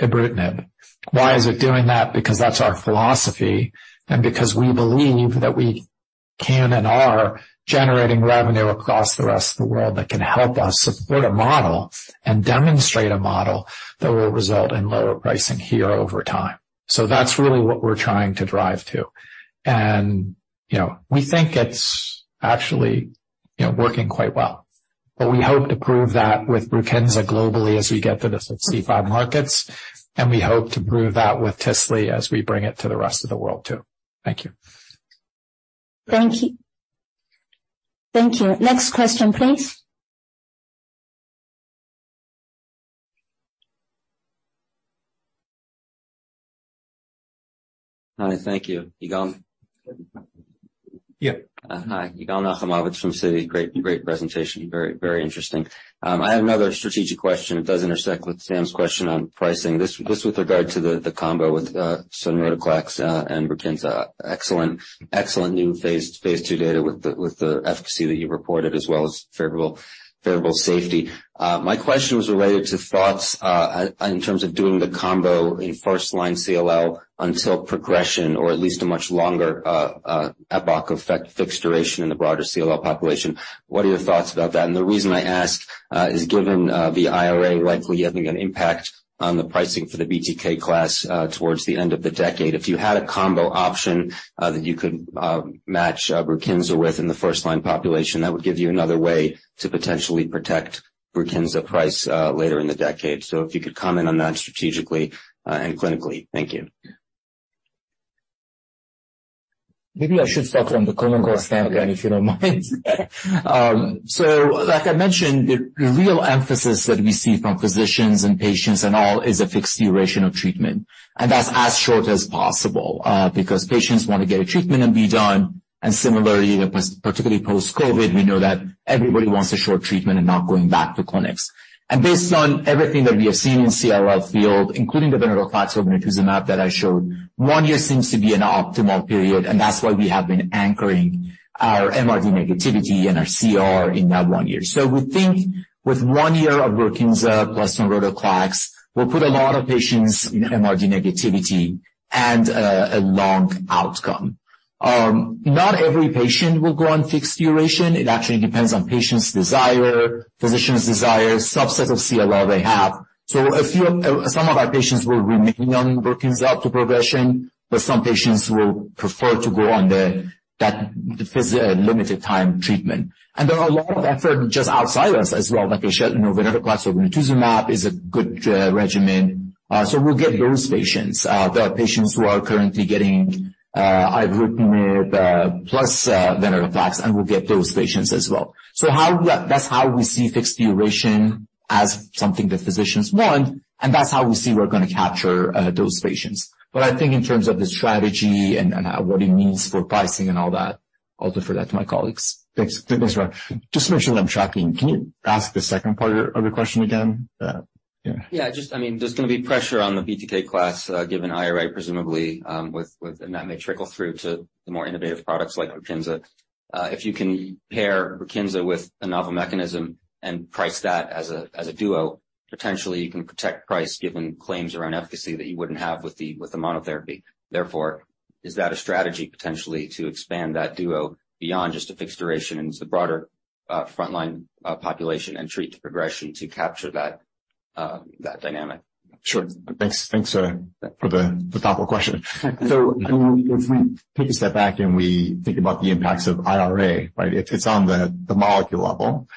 [SPEAKER 2] ibrutinib. Why is it doing that? That's our philosophy and because we believe that. Can and are generating revenue across the rest of the world that can help us support a model and demonstrate a model that will result in lower pricing here over time. That's really what we're trying to drive to. You know, we think it's actually, you know, working quite well. We hope to prove that with BRUKINSA globally as we get to the CFDA markets, and we hope to prove that with Tisli as we bring it to the rest of the world, too. Thank you.
[SPEAKER 1] Thank you. Thank you. Next question, please.
[SPEAKER 8] Hi, thank you. Yigal?
[SPEAKER 4] Yeah.
[SPEAKER 8] Hi, Yigal Nochomovitz from Citi. Great, great presentation. Very, very interesting. I have another strategic question. It does intersect with Sam's question on pricing. This with regard to the combo with sonrotoclax and BRUKINSA. Excellent new phase II data with the efficacy that you reported, as well as favorable safety. My question was related to thoughts in terms of doing the combo in first-line CLL until progression, or at least a much longer epoch effect, fixed duration in the broader CLL population. What are your thoughts about that? The reason I ask is given the IRA likely having an impact on the pricing for the BTK class towards the end of the decade. If you had a combo option, that you could, match, BRUKINSA with in the first-line population, that would give you another way to potentially protect BRUKINSA price, later in the decade. If you could comment on that strategically, and clinically. Thank you.
[SPEAKER 4] Maybe I should start from the clinical standpoint, if you don't mind. Like I mentioned, the real emphasis that we see from physicians and patients and all is a fixed duration of treatment, and that's as short as possible, because patients want to get a treatment and be done. Similarly, particularly post-COVID, we know that everybody wants a short treatment and not going back to clinics. Based on everything that we have seen in CLL field, including the venetoclax obinutuzumab that I showed, one year seems to be an optimal period, and that's why we have been anchoring our MRD negativity and our CR in that one year. We think with one year of BRUKINSA plus sonrotoclax, we'll put a lot of patients in MRD negativity and a long outcome. Not every patient will go on fixed duration. It actually depends on patient's desire, physician's desire, subset of CLL they have. A few, some of our patients will remain on BRUKINSA up to progression, but some patients will prefer to go on the limited time treatment. There are a lot of effort just outside us as well. Like I said, you know, venetoclax obinutuzumab is a good regimen, we'll get those patients. There are patients who are currently getting ibrutinib plus venetoclax, we'll get those patients as well. That's how we see fixed duration as something that physicians want, that's how we see we're going to capture those patients. I think in terms of the strategy and what it means for pricing and all that, I'll defer that to my colleagues.
[SPEAKER 9] Thanks. Mehrdad, Just to make sure that I'm tracking, can you ask the second part of the, of the question again? Yeah.
[SPEAKER 8] Just I mean, there's going to be pressure on the BTK class, given IRA, presumably, and that may trickle through to the more innovative products like BRUKINSA. If you can pair BRUKINSA with a novel mechanism and price that as a duo, potentially you can protect price given claims around efficacy that you wouldn't have with the monotherapy. Is that a strategy potentially to expand that duo beyond just a fixed duration into the broader frontline population and treat to progression to capture that dynamic?
[SPEAKER 9] Sure. Thanks, for the thoughtful question. If we take a step back and we think about the impacts of IRA, right? It's on the molecule level.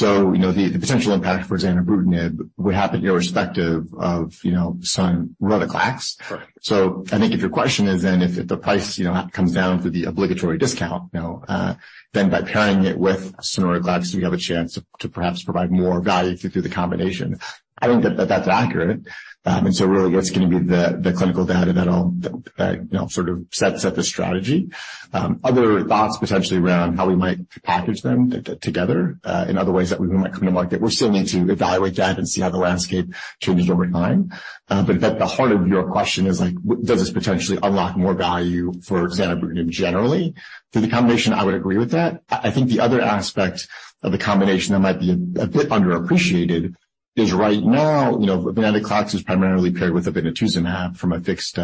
[SPEAKER 9] You know, the potential impact for zanubrutinib would happen irrespective of, you know, sonrotoclax.
[SPEAKER 8] Right.
[SPEAKER 9] I think if your question is, if the price, you know, comes down through the obligatory discount, you know, then by pairing it with sonrotoclax, we have a chance to perhaps provide more value through the combination. I think that's accurate. Really, what's going to be the clinical data that'll, you know, set the strategy. Other thoughts potentially around how we might package them together, in other ways that we might come to market. We're still need to evaluate that and see how the landscape changes over time. At the heart of your question is like, does this potentially unlock more value for zanubrutinib generally? Through the combination, I would agree with that. I think the other aspect of the combination that might be a bit underappreciated is right now, you know, venetoclax is primarily paired with obinutuzumab from a fixed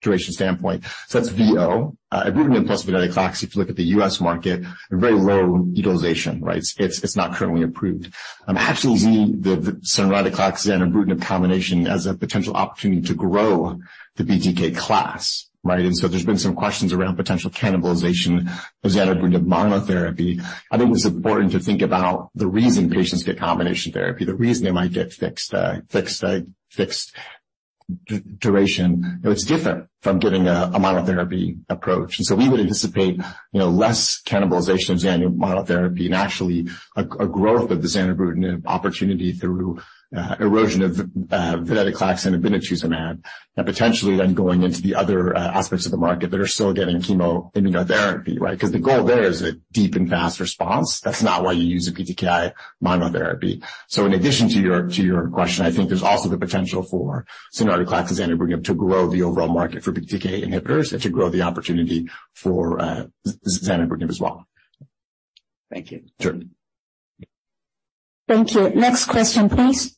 [SPEAKER 9] duration standpoint. So that's VO. Ibrutinib plus venetoclax, if you look at the U.S. market, a very low utilization, right? It's not currently approved. Actually, the sonrotoclax zanubrutinib combination as a potential opportunity to grow the BTK class, right? There's been some questions around potential cannibalization of zanubrutinib monotherapy. I think it's important to think about the reason patients get combination therapy, the reason they might get fixed duration. It's different from getting a monotherapy approach. We would anticipate, you know, less cannibalization of zanubrutinib monotherapy and actually a growth of the zanubrutinib opportunity through erosion of venetoclax and obinutuzumab, and potentially then going into the other aspects of the market that are still getting chemo immunotherapy, right? Because the goal there is a deep and fast response. That's not why you use a BTKI monotherapy. In addition to your question, I think there's also the potential for sonrotoclax zanubrutinib to grow the overall market for BTK inhibitors and to grow the opportunity for zanubrutinib as well.
[SPEAKER 8] Thank you.
[SPEAKER 9] Sure.
[SPEAKER 1] Thank you. Next question, please.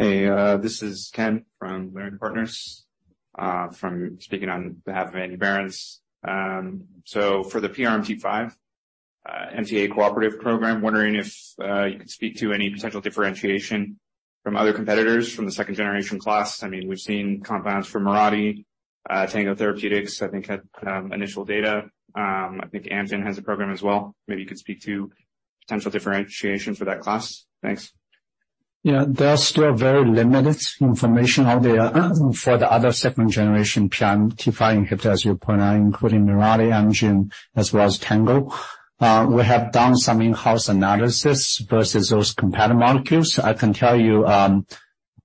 [SPEAKER 10] Hey, this is Ken from Merion Partners, from speaking on behalf of Andy Barons. For the PRMT5, MTA cooperative program, wondering if, you could speak to any potential differentiation from other competitors from the second generation class? I mean, we've seen compounds from Mirati, Tango Therapeutics, I think, had initial data. I think Amgen has a program as well. Maybe you could speak to potential differentiation for that class. Thanks.
[SPEAKER 3] There are still very limited information out there for the other second generation PRMT5 inhibitor, as you point out, including Mirati, Amgen, as well as Tango. We have done some in-house analysis versus those competitor molecules. I can tell you, a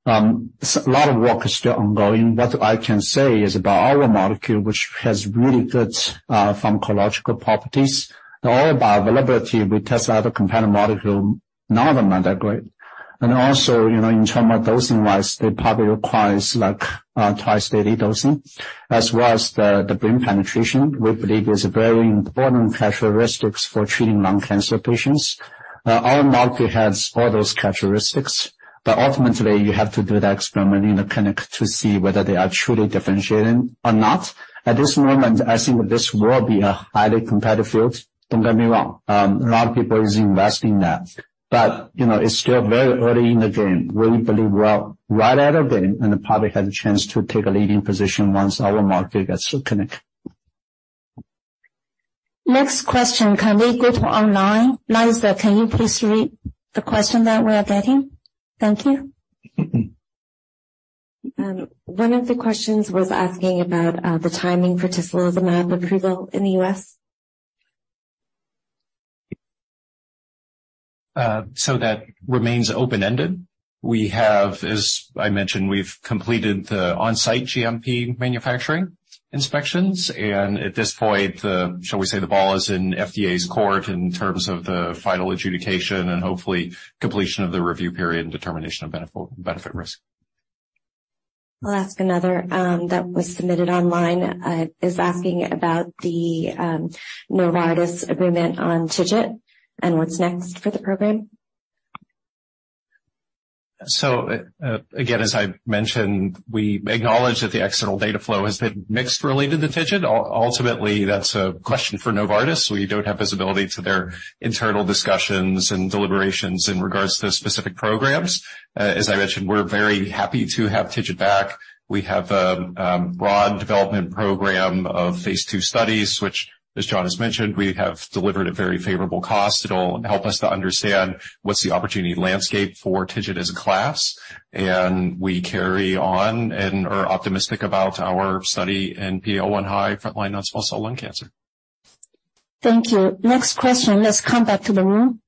[SPEAKER 3] lot of work is still ongoing. What I can say is about our molecule, which has really good pharmacological properties, and all about availability, we test out the competitor molecule, none of them are that great. You know, in terms of dosing-wise, it probably requires like twice daily dosing, as well as the brain penetration, we believe, is a very important characteristics for treating lung cancer patients. Our molecule has all those characteristics. Ultimately, you have to do the experiment in the clinic to see whether they are truly differentiating or not. At this moment, I think this will be a highly competitive field. Don't get me wrong, a lot of people is investing that. you know, it's still very early in the game. We believe we're right out of game, and probably have a chance to take a leading position once our molecule gets to clinic.
[SPEAKER 1] Next question. Can we go to online? Lisa, can you please read the question that we are getting? Thank you.
[SPEAKER 11] One of the questions was asking about the timing for tislelizumab approval in the U.S.
[SPEAKER 5] That remains open-ended. We have, as I mentioned, we've completed the on-site GMP manufacturing inspections, and at this point, the, shall we say, the ball is in FDA's court in terms of the final adjudication and hopefully completion of the review period and determination of benefit, risk.
[SPEAKER 11] I'll ask another, that was submitted online. is asking about the Novartis agreement on TIGIT and what's next for the program.
[SPEAKER 5] Again, as I mentioned, we acknowledge that the external data flow has been mixed related to TIGIT. Ultimately, that's a question for Novartis. We don't have visibility to their internal discussions and deliberations in regards to specific programs. As I mentioned, we're very happy to have TIGIT back. We have broad development program of phase two studies, which, as John has mentioned, we have delivered at very favorable cost. It'll help us to understand what's the opportunity landscape for TIGIT as a class, and we carry on and are optimistic about our study in PO1 high frontline non-small cell lung cancer.
[SPEAKER 1] Thank you. Next question. Let's come back to the room.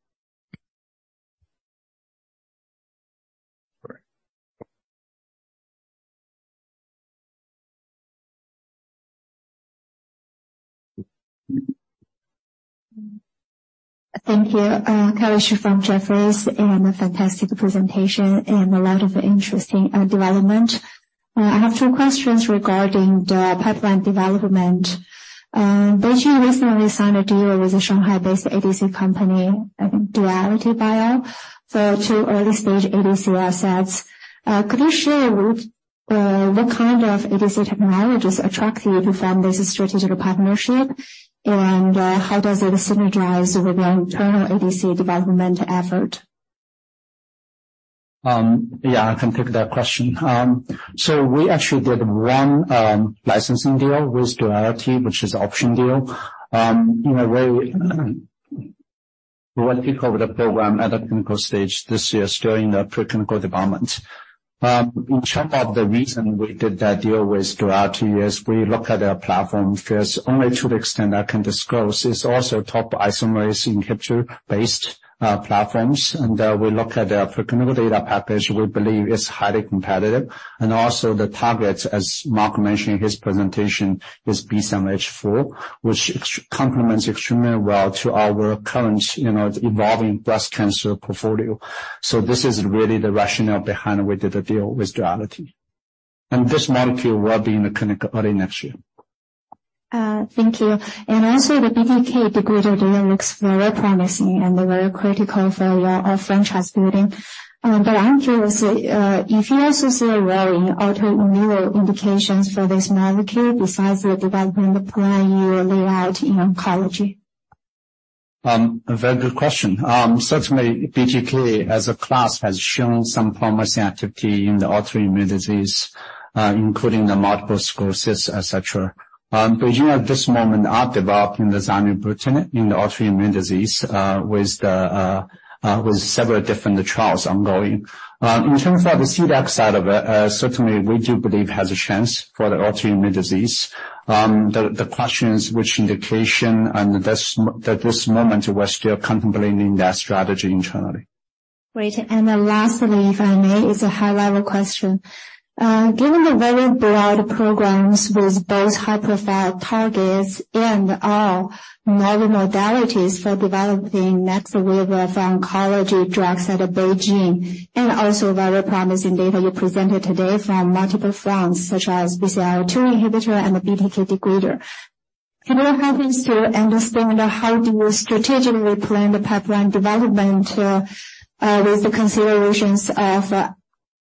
[SPEAKER 5] Great.
[SPEAKER 12] Thank you. Kelly Shi from Jefferies, and a fantastic presentation and a lot of interesting development. I have two questions regarding the pipeline development. BeiGene recently signed a deal with a Shanghai-based ADC company, I think DualityBio, for two early-stage ADC assets. Could you share what kind of ADC technologies attract you to form this strategic partnership? How does it synergize with the internal ADC development effort?
[SPEAKER 3] Yeah, I can take that question. We actually did one licensing deal with Duality, which is option deal. In a way, we want to take over the program at a clinical stage this year, during the preclinical development. In terms of the reason we did that deal with Duality is we look at their platform first. Only to the extent I can disclose, it's also topoisomerase inhibitor-based platforms. We look at the preclinical data package, we believe is highly competitive. Also the targets, as Mark mentioned in his presentation, is B7H4, which complements extremely well to our current, you know, evolving breast cancer portfolio. This is really the rationale behind we did the deal with Duality. This molecule will be in the clinic early next year.
[SPEAKER 12] Thank you. The BTK degrader looks very promising and very critical for our franchise building. I'm curious if you also see a very autoimmune indications for this molecule besides the development plan you laid out in oncology?
[SPEAKER 3] A very good question. Certainly BTK as a class, has shown some promising activity in the autoimmune disease, including the multiple sclerosis, et cetera. You know, at this moment, are developing the zanubrutinib in the autoimmune disease, with several different trials ongoing. In terms of the CDAC side of it, certainly we do believe has a chance for the autoimmune disease. The question is which indication, and at this moment, we're still contemplating that strategy internally.
[SPEAKER 12] Great. Lastly, if I may, is a high-level question. Given the very broad programs with both high-profile targets and/or novel modalities for developing next wave of oncology drugs out of BeiGene, and also very promising data you presented today from multiple fronts, such as BCL-2 inhibitor and the BTK degrader. Can you help us to understand how do you strategically plan the pipeline development, with the considerations of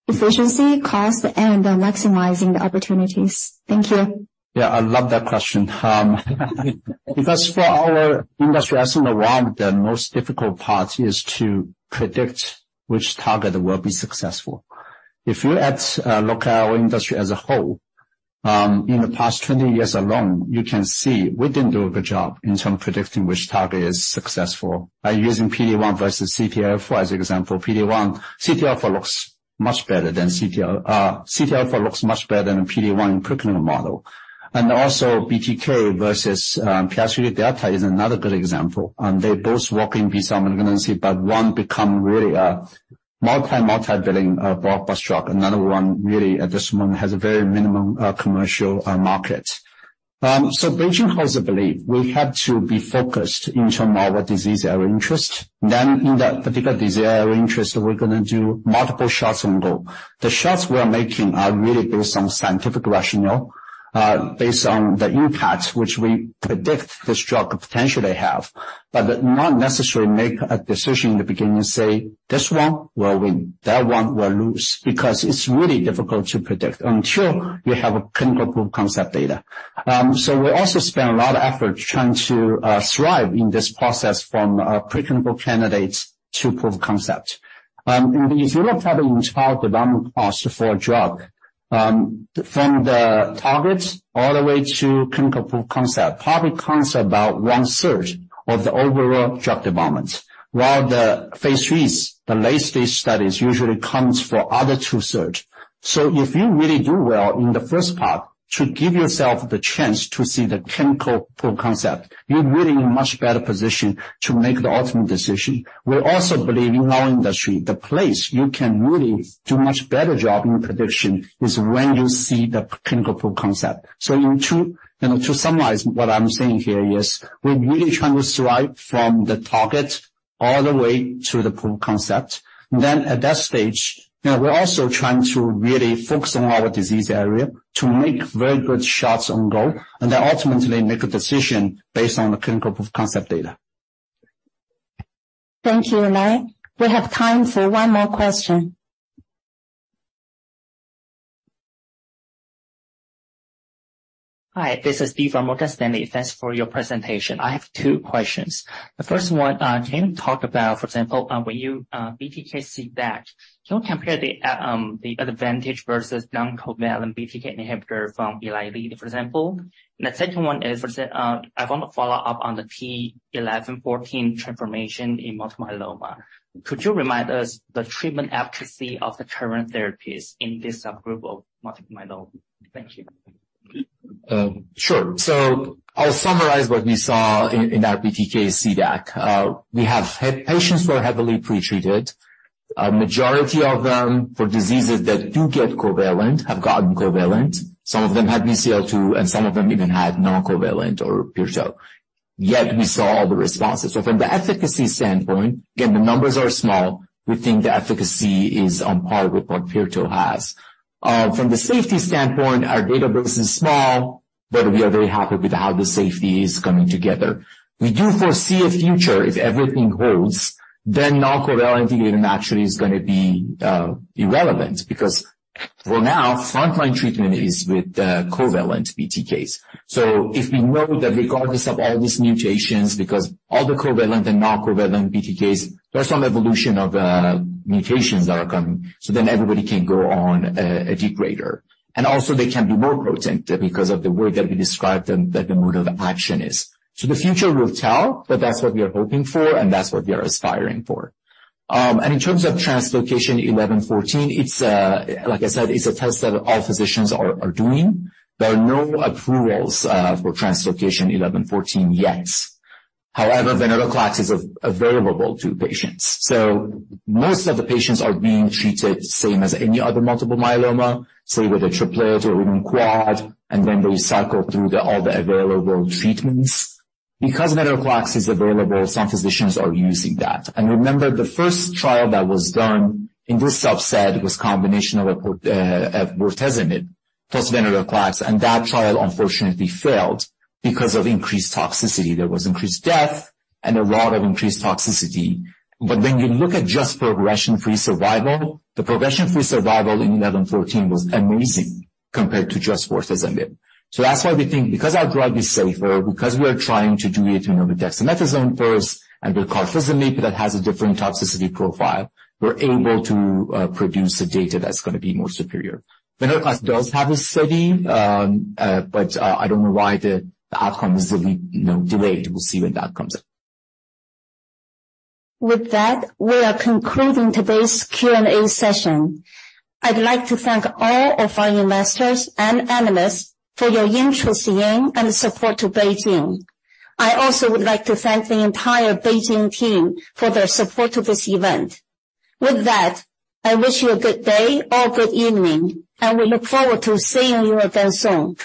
[SPEAKER 12] efficiency, cost, and maximizing the opportunities? Thank you.
[SPEAKER 3] I love that question. For our industry, as in the world, the most difficult part is to predict which target will be successful. If you look at our industry as a whole, in the past 20 years alone, you can see we didn't do a good job in terms of predicting which target is successful. By using PD-1 versus CTLA-4 as an example, CTLA-4 looks much better than a PD-1 preclinical model. BTK versus PI3 delta is another good example. They both work in B-cell malignancy, but one become really a multi-billion blockbusters drug, another one really at this moment, has a very minimum commercial market. BeiGene has a belief we have to be focused in terms of our disease, our interest. In that particular disease, our interest, we're gonna do multiple shots on goal. The shots we are making are really based on scientific rationale, based on the impact which we predict this drug potentially have, but not necessarily make a decision in the beginning and say, This one will win, that one will lose, because it's really difficult to predict until you have a clinical proof concept data. So we also spend a lot of effort trying to thrive in this process from preclinical candidates to proof concept. If you look at the entire development cost for a drug, from the target all the way to clinical proof concept, probably accounts about 1/3 of the overall drug development, while the phase IIIs, the late-stage studies, usually comes for other 2/3. If you really do well in the first part, to give yourself the chance to see the clinical proof concept, you're really in a much better position to make the ultimate decision. We also believe in our industry, the place you can really do much better job in prediction is when you see the clinical proof concept. In to, you know, to summarize what I'm saying here is, we're really trying to thrive from the target all the way to the proof concept. At that stage, you know, we're also trying to really focus on our disease area to make very good shots on goal, and then ultimately make a decision based on the clinical proof concept data.
[SPEAKER 1] Thank you, Lai. We have time for one more question.
[SPEAKER 13] Hi, this is Steve from Morgan Stanley. Thanks for your presentation. I have two questions. The first one, can you talk about, for example, when you BTK CDAC, can you compare the advantage versus non-covalent BTK inhibitor from Eli Lilly, for example? The second one is, for example, I want to follow up on the t(11;14) transformation in multiple myeloma. Could you remind us the treatment efficacy of the current therapies in this subgroup of multiple myeloma? Thank you.
[SPEAKER 3] I'll summarize what we saw in our BTK CDAC. We have had patients who are heavily pretreated. A majority of them, for diseases that do get covalent, have gotten covalent. Some of them had BCL-2, and some of them even had non-covalent or pirtobrutinib, yet we saw the responses. From the efficacy standpoint, again, the numbers are small. We think the efficacy is on par with what pirtobrutinib has. From the safety standpoint, our database is small, but we are very happy with how the safety is coming together. We do foresee a future, if everything holds, then non-covalent inhibitor actually is gonna be irrelevant, because for now, frontline treatment is with covalent BTKs. If we know that regardless of all these mutations, because all the covalent and non-covalent BTKs, there are some evolution of mutations that are coming, so then everybody can go on a degrader. They can be more potent because of the way that we described them, that the mode of action is. The future will tell, but that's what we are hoping for, and that's what we are aspiring for. In terms of translocation 11;14, it's a, like I said, it's a test that all physicians are doing. There are no approvals for translocation 11;14 yet. However, venetoclax is available to patients. Most of the patients are being treated same as any other multiple myeloma, say, with a triplet or even quad, and then they cycle through all the available treatments. Because venetoclax is available, some physicians are using that. Remember, the first trial that was done in this subset was a combination of bortezomib plus venetoclax, and that trial unfortunately failed because of increased toxicity. There was increased death and a lot of increased toxicity. When you look at just progression-free survival, the progression-free survival in 11;14 was amazing compared to just bortezomib. That's why we think because our drug is safer, because we are trying to do it, you know, with dexamethasone first and with carfilzomib, that has a different toxicity profile, we're able to produce the data that's going to be more superior. Venetoclax does have a study, I don't know why the outcome is really, you know, delayed. We'll see when that comes out.
[SPEAKER 1] We are concluding today's Q&A session. I'd like to thank all of our investors and analysts for your interest in and support to BeiGene. I also would like to thank the entire BeiGene team for their support to this event. I wish you a good day or good evening, and we look forward to seeing you again soon.